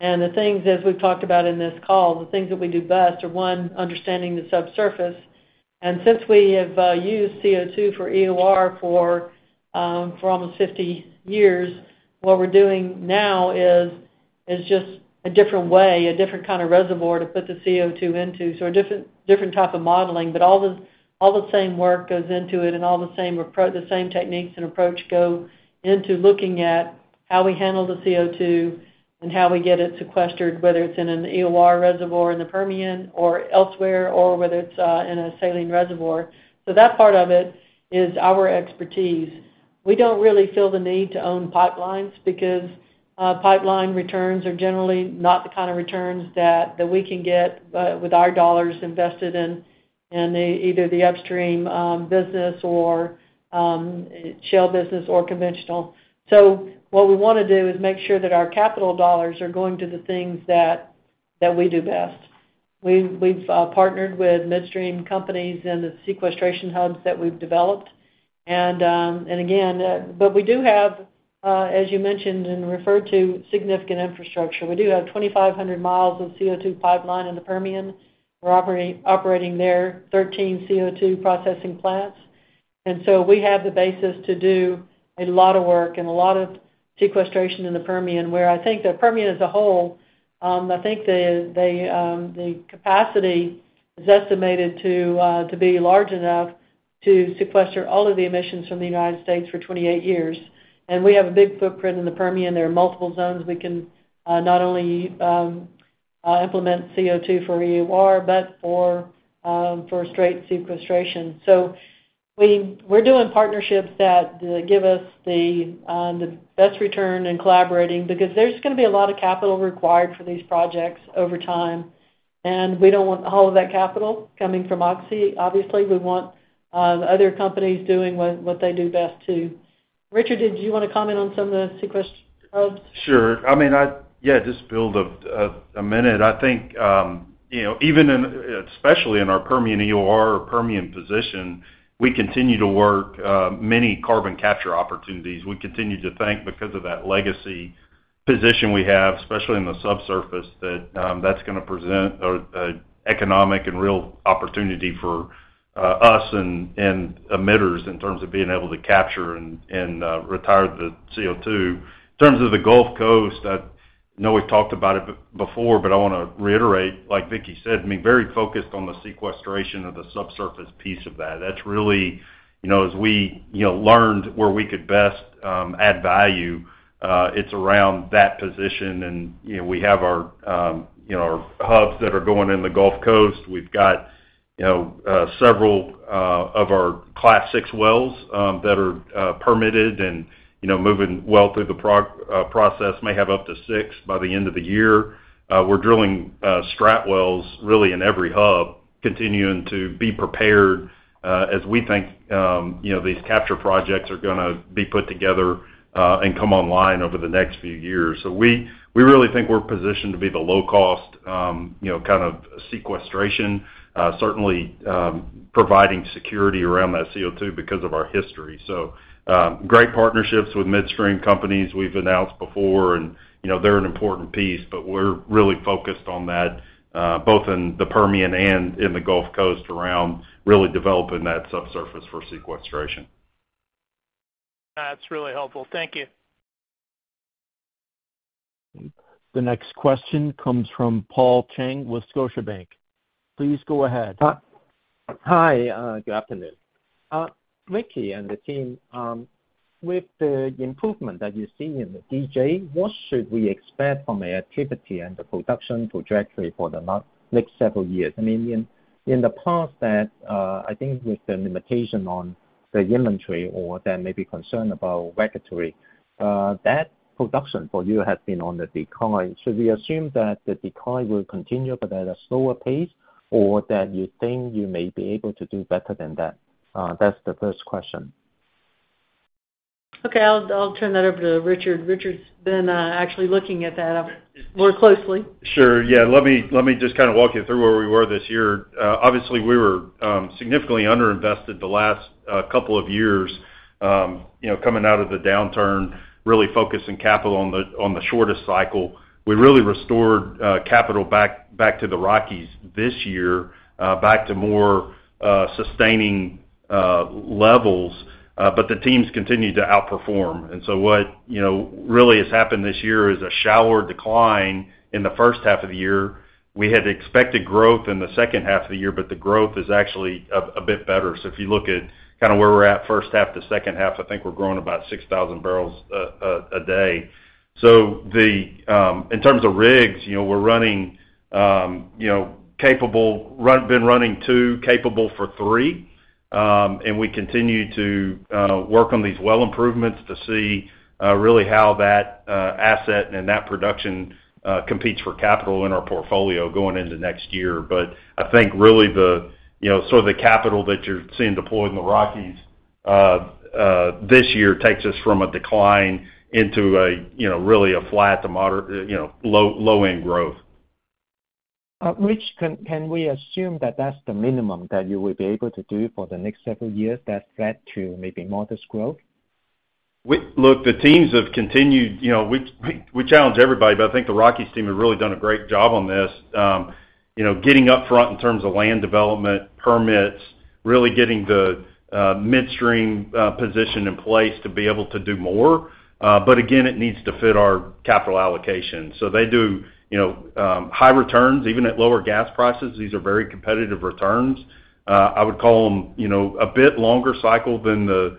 The things, as we've talked about in this call, the things that we do best are, one, understanding the subsurface. Since we have used CO2 for EOR for almost 50 years, what we're doing now is, is just a different way, a different kind of reservoir to put the CO2 into, so a different, different type of modeling. All the, all the same work goes into it, and all the same techniques and approach go into looking at how we handle the CO2 and how we get it sequestered, whether it's in an EOR reservoir in the Permian or elsewhere, or whether it's in a saline reservoir. That part of it is our expertise. We don't really feel the need to own pipelines because pipeline returns are generally not the kind of returns that, that we can get with our dollars invested in, in the either the upstream business or shale business or conventional. What we wanna do is make sure that our capital dollars are going to the things that, that we do best. We've, we've partnered with midstream companies in the sequestration hubs that we've developed. We do have, as you mentioned and referred to, significant infrastructure. We do have 2,500 miles of CO2 pipeline in the Permian. We're operating, operating there 13 CO2 processing plants. We have the basis to do a lot of work and a lot of sequestration in the Permian, where I think the Permian as a whole, I think the, the, the capacity is estimated to be large enough to sequester all of the emissions from the United States for 28 years. We have a big footprint in the Permian. There are multiple zones. We can, not only, implement CO2 for EOR, but for, for straight sequestration. We're doing partnerships that give us the, the best return in collaborating, because there's going to be a lot of capital required for these projects over time, and we don't want all of that capital coming from Oxy. Obviously, we want, other companies doing what, what they do best, too. Richard, did you want to comment on some of the sequestrations? Sure. I mean, I, yeah, just build a, a, a minute. I think, you know, even in, especially in our Permian EOR or Permian position, we continue to work many carbon capture opportunities. We continue to think because of that legacy position we have, especially in the subsurface, that, that's going to present an economic and real opportunity for us and emitters in terms of being able to capture and retire the CO2. In terms of the Gulf Coast, I know we've talked about it before, but I want to reiterate, like Vicki said, I mean, very focused on the sequestration of the subsurface piece of that. That's really, you know, as we, you know, learned where we could best add value, it's around that position. You know, we have our, you know, our hubs that are going in the Gulf Coast. We've got, you know, several of our Class VI wells that are permitted and, you know, moving well through the process, may have up to six by the end of the year. We're drilling strat wells really in every hub, continuing to be prepared as we think, you know, these capture projects are going to be put together and come online over the next few years. We, we really think we're positioned to be the low cost, you know, kind of sequestration, certainly, providing security around that CO2 because of our history. Great partnerships with midstream companies we've announced before, and, you know, they're an important piece, but we're really focused on that, both in the Permian and in the Gulf Coast, around really developing that subsurface for sequestration. That's really helpful. Thank you. The next question comes from Paul Cheng with Scotiabank. Please go ahead. Hi, good afternoon. Vicki and the team, with the improvement that you've seen in the DJ, what should we expect from the activity and the production trajectory for the next several years? I mean, in, in the past that, I think with the limitation on the inventory or there may be concern about regulatory, that production for you has been on the decline. Should we assume that the decline will continue, but at a slower pace, or that you think you may be able to do better than that? That's the first question. Okay, I'll turn that over to Richard. Richard's been actually looking at that more closely. Sure. Yeah, let me, let me just kind of walk you through where we were this year. Obviously, we were significantly underinvested the last couple of years, you know, coming out of the downturn, really focusing capital on the shortest cycle. We really restored capital back to the Rockies this year, back to more sustaining levels, but the teams continued to outperform. What, you know, really has happened this year is a shallower decline in the first half of the year. We had expected growth in the second half of the year, but the growth is actually a bit better. If you look at kind of where we're at first half to second half, I think we're growing about 6,000 barrels a day. The, in terms of rigs, you know, we're running, you know, been running two, capable for three, we continue to work on these well improvements to see really how that asset and that production competes for capital in our portfolio going into next year. I think really the, you know, sort of the capital that you're seeing deployed in the Rockies this year, takes us from a decline into a, you know, really a flat to moderate, you know, low-end growth. Rich, can, can we assume that that's the minimum that you will be able to do for the next several years, that flat to maybe modest growth? Look, the teams have continued, you know, we challenge everybody, but I think the Rockies team have really done a great job on this. You know, getting up front in terms of land development, permits, really getting the midstream position in place to be able to do more. Again, it needs to fit our capital allocation. They do, you know, high returns, even at lower gas prices. These are very competitive returns. I would call them, you know, a bit longer cycle than the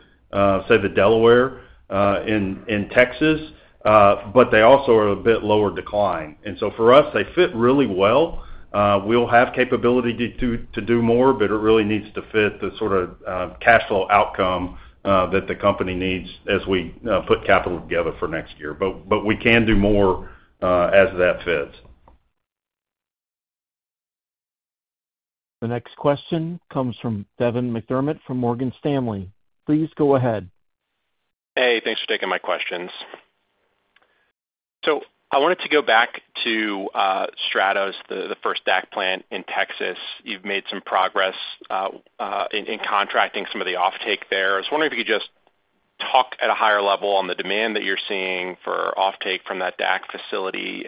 say, the Delaware, in Texas, but they also are a bit lower decline. For us, they fit really well. We'll have capability to, to, to do more, but it really needs to fit the sort of, cash flow outcome, that the company needs as we, put capital together for next year. We can do more, as that fits. The next question comes from Devin McDermott from Morgan Stanley. Please go ahead. Hey, thanks for taking my questions. I wanted to go back to Stratos, the first DAC plant in Texas. You've made some progress in contracting some of the offtake there. I was wondering if you could just talk at a higher level on the demand that you're seeing for offtake from that DAC facility.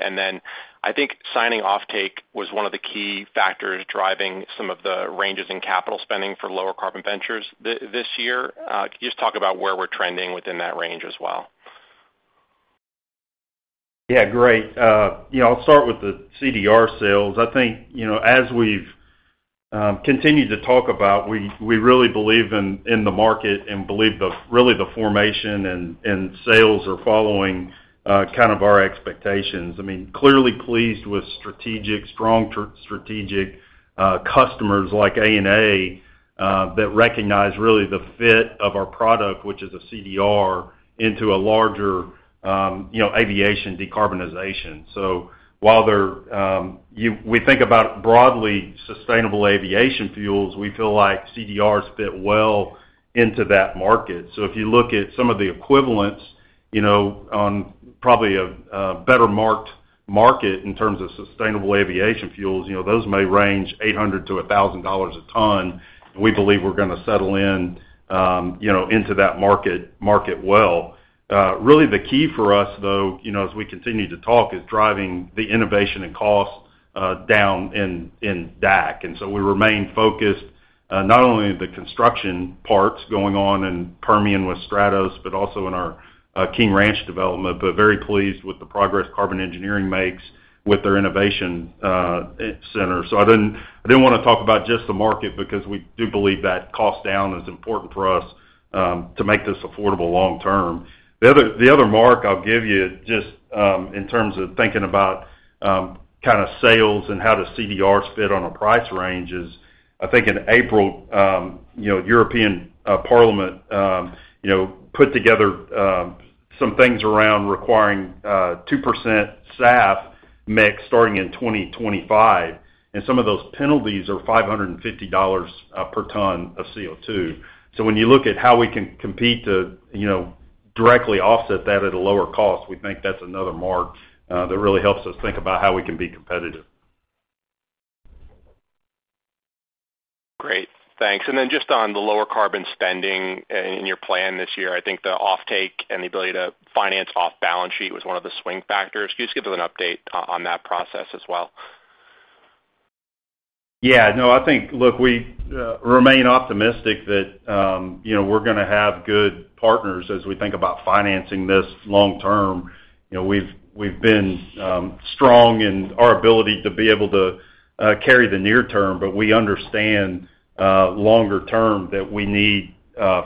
I think signing offtake was one of the key factors driving some of the ranges in capital spending for Lower Carbon Ventures this year. Can you just talk about where we're trending within that range as well? Yeah, great. You know, I'll start with the CDR sales. I think, you know, as we've continued to talk about, we, we really believe in, in the market and believe the, really, the formation and, and sales are following kind of our expectations. I mean, clearly pleased with strategic, strong strategic customers like ANA, that recognize really the fit of our product, which is a CDR, into a larger, you know, aviation decarbonization. While they're, we think about broadly sustainable aviation fuels, we feel like CDRs fit well into that market. If you look at some of the equivalents, you know, on probably a better marked market in terms of sustainable aviation fuels, you know, those may range $800–$1,000 per ton, and we believe we're going to settle in, you know, into that market, market well. Really the key for us, though, you know, as we continue to talk, is driving the innovation and cost down in DAC. We remain focused, not only the construction parts going on in Permian with Stratos, but also in our King Ranch development. Very pleased with the progress Carbon Engineering makes with their innovation center. I didn't, I didn't wanna talk about just the market because we do believe that cost down is important for us to make this affordable long term. The other, the other mark I'll give you, just, in terms of thinking about, kind of sales and how the CDRs fit on a price range is, I think in April, you know, European Parliament, you know, put together, some things around requiring, 2% SAF mix starting in 2025, and some of those penalties are $550 per ton of CO2. When you look at how we can compete to, you know, directly offset that at a lower cost, we think that's another mark, that really helps us think about how we can be competitive. Great, thanks. Then just on the Lower Carbon spending in, in your plan this year, I think the offtake and the ability to finance off balance sheet was one of the swing factors. Can you just give us an update on that process as well? Yeah. No, I think, look, we remain optimistic that, you know, we're going to have good partners as we think about financing this long term. You know, we've, we've been strong in our ability to be able to carry the near term, but we understand longer term that we need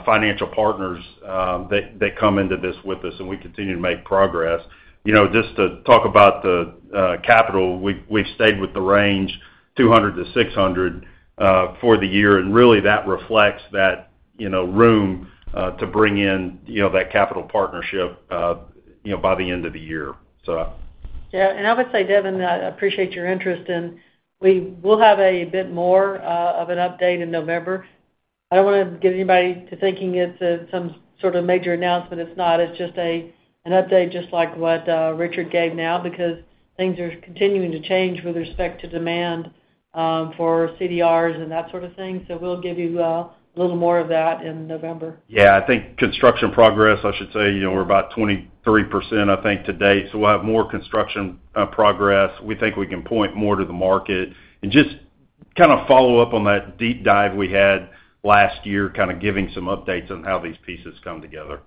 financial partners that, that come into this with us, and we continue to make progress. You know, just to talk about the capital, we've, we've stayed with the range, $200–$600 for the year, and really, that reflects that, you know, room to bring in, you know, that capital partnership, you know, by the end of the year. Yeah, I would say, Devin, I appreciate your interest, and we will have a bit more of an update in November. I don't wanna get anybody to thinking it's some sort of major announcement. It's not. It's just a, an update, just like what Richard gave now, because things are continuing to change with respect to demand for CDRs and that sort of thing. We'll give you a little more of that in November. Yeah, I think construction progress, I should say, you know, we're about 23%, I think, to date, so we'll have more construction progress. We think we can point more to the market. Just kind of follow up on that deep dive we had last year, kind of giving some updates on how these pieces come together.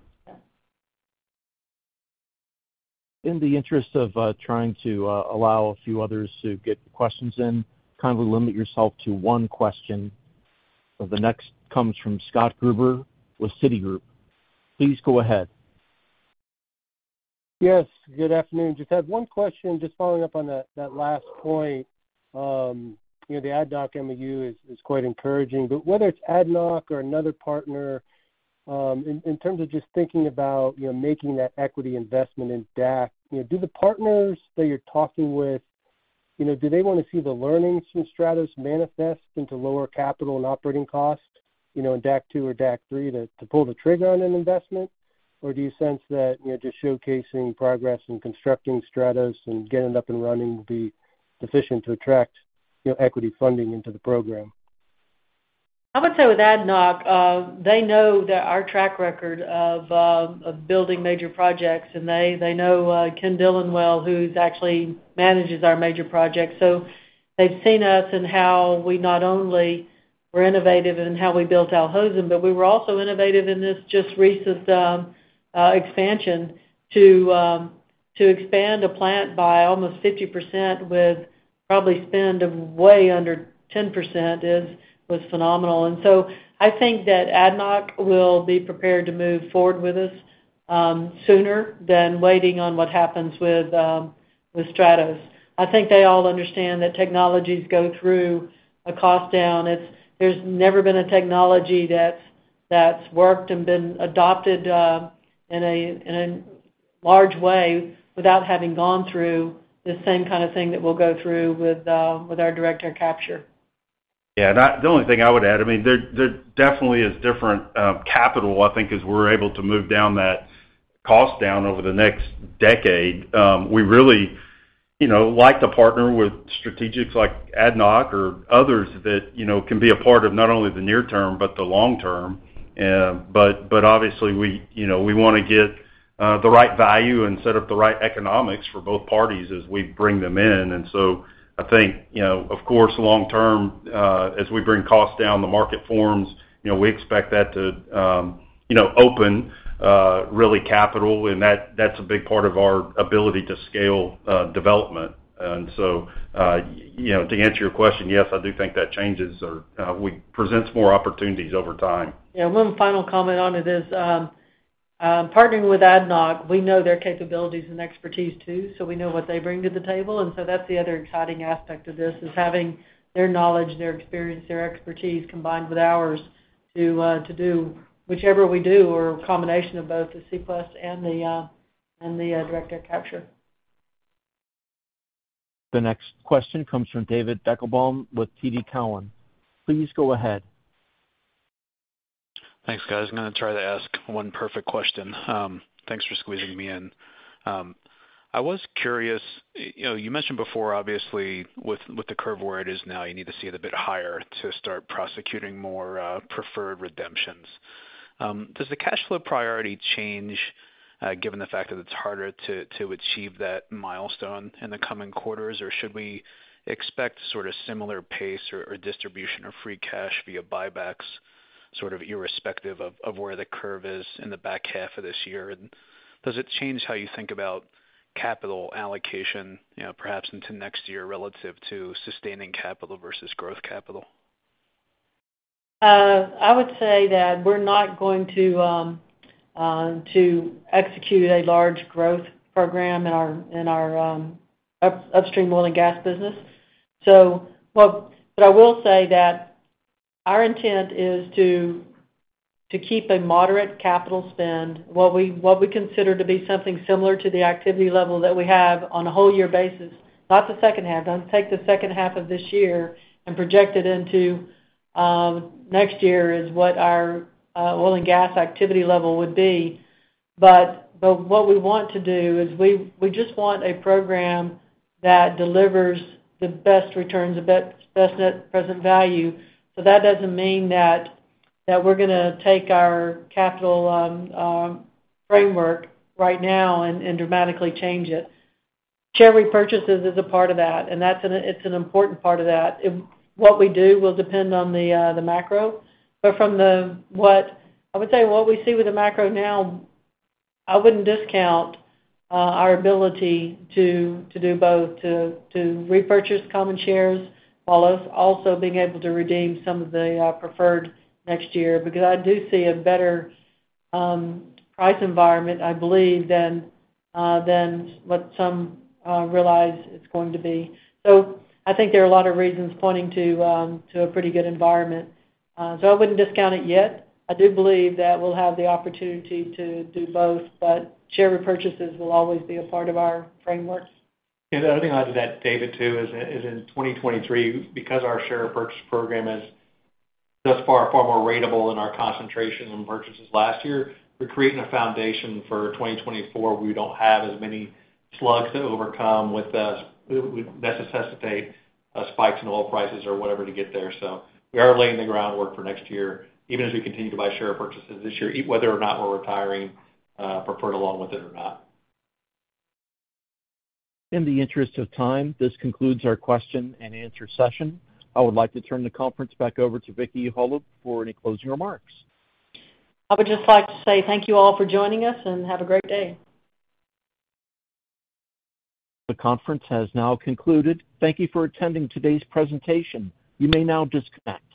In the interest of, trying to, allow a few others to get questions in, kindly limit yourself to one question. The next comes from Scott Gruber with Citigroup. Please go ahead. Yes, good afternoon. Just had one question, just following up on that, that last point. you know, the ADNOC MoU is, is quite encouraging. whether it's ADNOC or another partner, in, in terms of just thinking about, you know, making that equity investment in DAC, you know, do the partners that you're talking with, you know, do they want to see the learnings from Stratos manifest into lower capital and operating costs, you know, in DAC 2 or DAC 3, to, to pull the trigger on an investment? Do you sense that, you know, just showcasing progress and constructing Stratos and getting it up and running will be sufficient to attract, you know, equity funding into the program? I would say with ADNOC, they know that our track record of building major projects, and they, they know Ken Dillon well, who's actually manages our major projects. They've seen us and how we not only were innovative in how we built Al Hosn, but we were also innovative in this just recent expansion to expand a plant by almost 50% with probably spend of way under 10% is, was phenomenal. I think that ADNOC will be prepared to move forward with us sooner than waiting on what happens with Stratos. I think they all understand that technologies go through a cost down. There's never been a technology that's, that's worked and been adopted, in a, in a large way without having gone through the same kind of thing that we'll go through with, with our direct air capture. Yeah, the only thing I would add, I mean, there, there definitely is different capital, I think, as we're able to move down that cost down over the next decade. We really, you know, like to partner with strategics like ADNOC or others that, you know, can be a part of not only the near term, but the long term. But, but obviously, we, you know, we wanna get the right value and set up the right economics for both parties as we bring them in. So I think, you know, of course, long term, as we bring costs down, the market forms, you know, we expect that to...... you know, open, really capital, and that, that's a big part of our ability to scale, development. So, you know, to answer your question, yes, I do think that changes or, presents more opportunities over time. Yeah, one final comment on it is, partnering with ADNOC, we know their capabilities and expertise too, so we know what they bring to the table. So that's the other exciting aspect of this, is having their knowledge, their experience, their expertise combined with ours to, to do whichever we do, or a combination of both the C+ and the direct air capture. The next question comes from David Deckelbaum TD Cowen. Please go ahead. Thanks, guys. I'm going to try to ask one perfect question. Thanks for squeezing me in. I was curious, you know, you mentioned before, obviously, with, with the curve where it is now, you need to see it a bit higher to start prosecuting more preferred redemptions. Does the cash flow priority change given the fact that it's harder to, to achieve that milestone in the coming quarters? Or should we expect sort of similar pace or, or distribution of free cash via buybacks, sort of irrespective of, of where the curve is in the back half of this year? Does it change how you think about capital allocation, you know, perhaps into next year, relative to sustaining capital versus growth capital? I would say that we're not going to to execute a large growth program in our, in our upstream oil and gas business. Well, I will say that our intent is to, to keep a moderate capital spend, what we, what we consider to be something similar to the activity level that we have on a whole year basis, not the second half. Don't take the second half of this year and project it into next year, is what our oil and gas activity level would be. But what we want to do is we, we just want a program that delivers the best returns, the best net present value. That doesn't mean that, that we're going to take our capital framework right now and, and dramatically change it. Share repurchases is a part of that, and that's an, it's an important part of that. What we do will depend on the, the macro. I would say, what we see with the macro now, I wouldn't discount, our ability to, to do both, to, to repurchase common shares, while also being able to redeem some of the, preferred next year. I do see a better, price environment, I believe, than, than what some, realize it's going to be. I think there are a lot of reasons pointing to, to a pretty good environment. I wouldn't discount it yet. I do believe that we'll have the opportunity to do both, but share repurchases will always be a part of our frameworks. The other thing I'd add to that, David, too, is in 2023, because our share repurchase program is thus far, far more ratable than our concentration on purchases last year, we're creating a foundation for 2024, where we don't have as many slugs to overcome with us, that necessitate spikes in oil prices or whatever to get there. We are laying the groundwork for next year, even as we continue to buy share purchases this year, whether or not we're retiring preferred along with it or not. In the interest of time, this concludes our question and answer session. I would like to turn the conference back over to Vicki Hollub for any closing remarks. I would just like to say thank you all for joining us, and have a great day. The conference has now concluded. Thank you for attending today's presentation. You may now disconnect.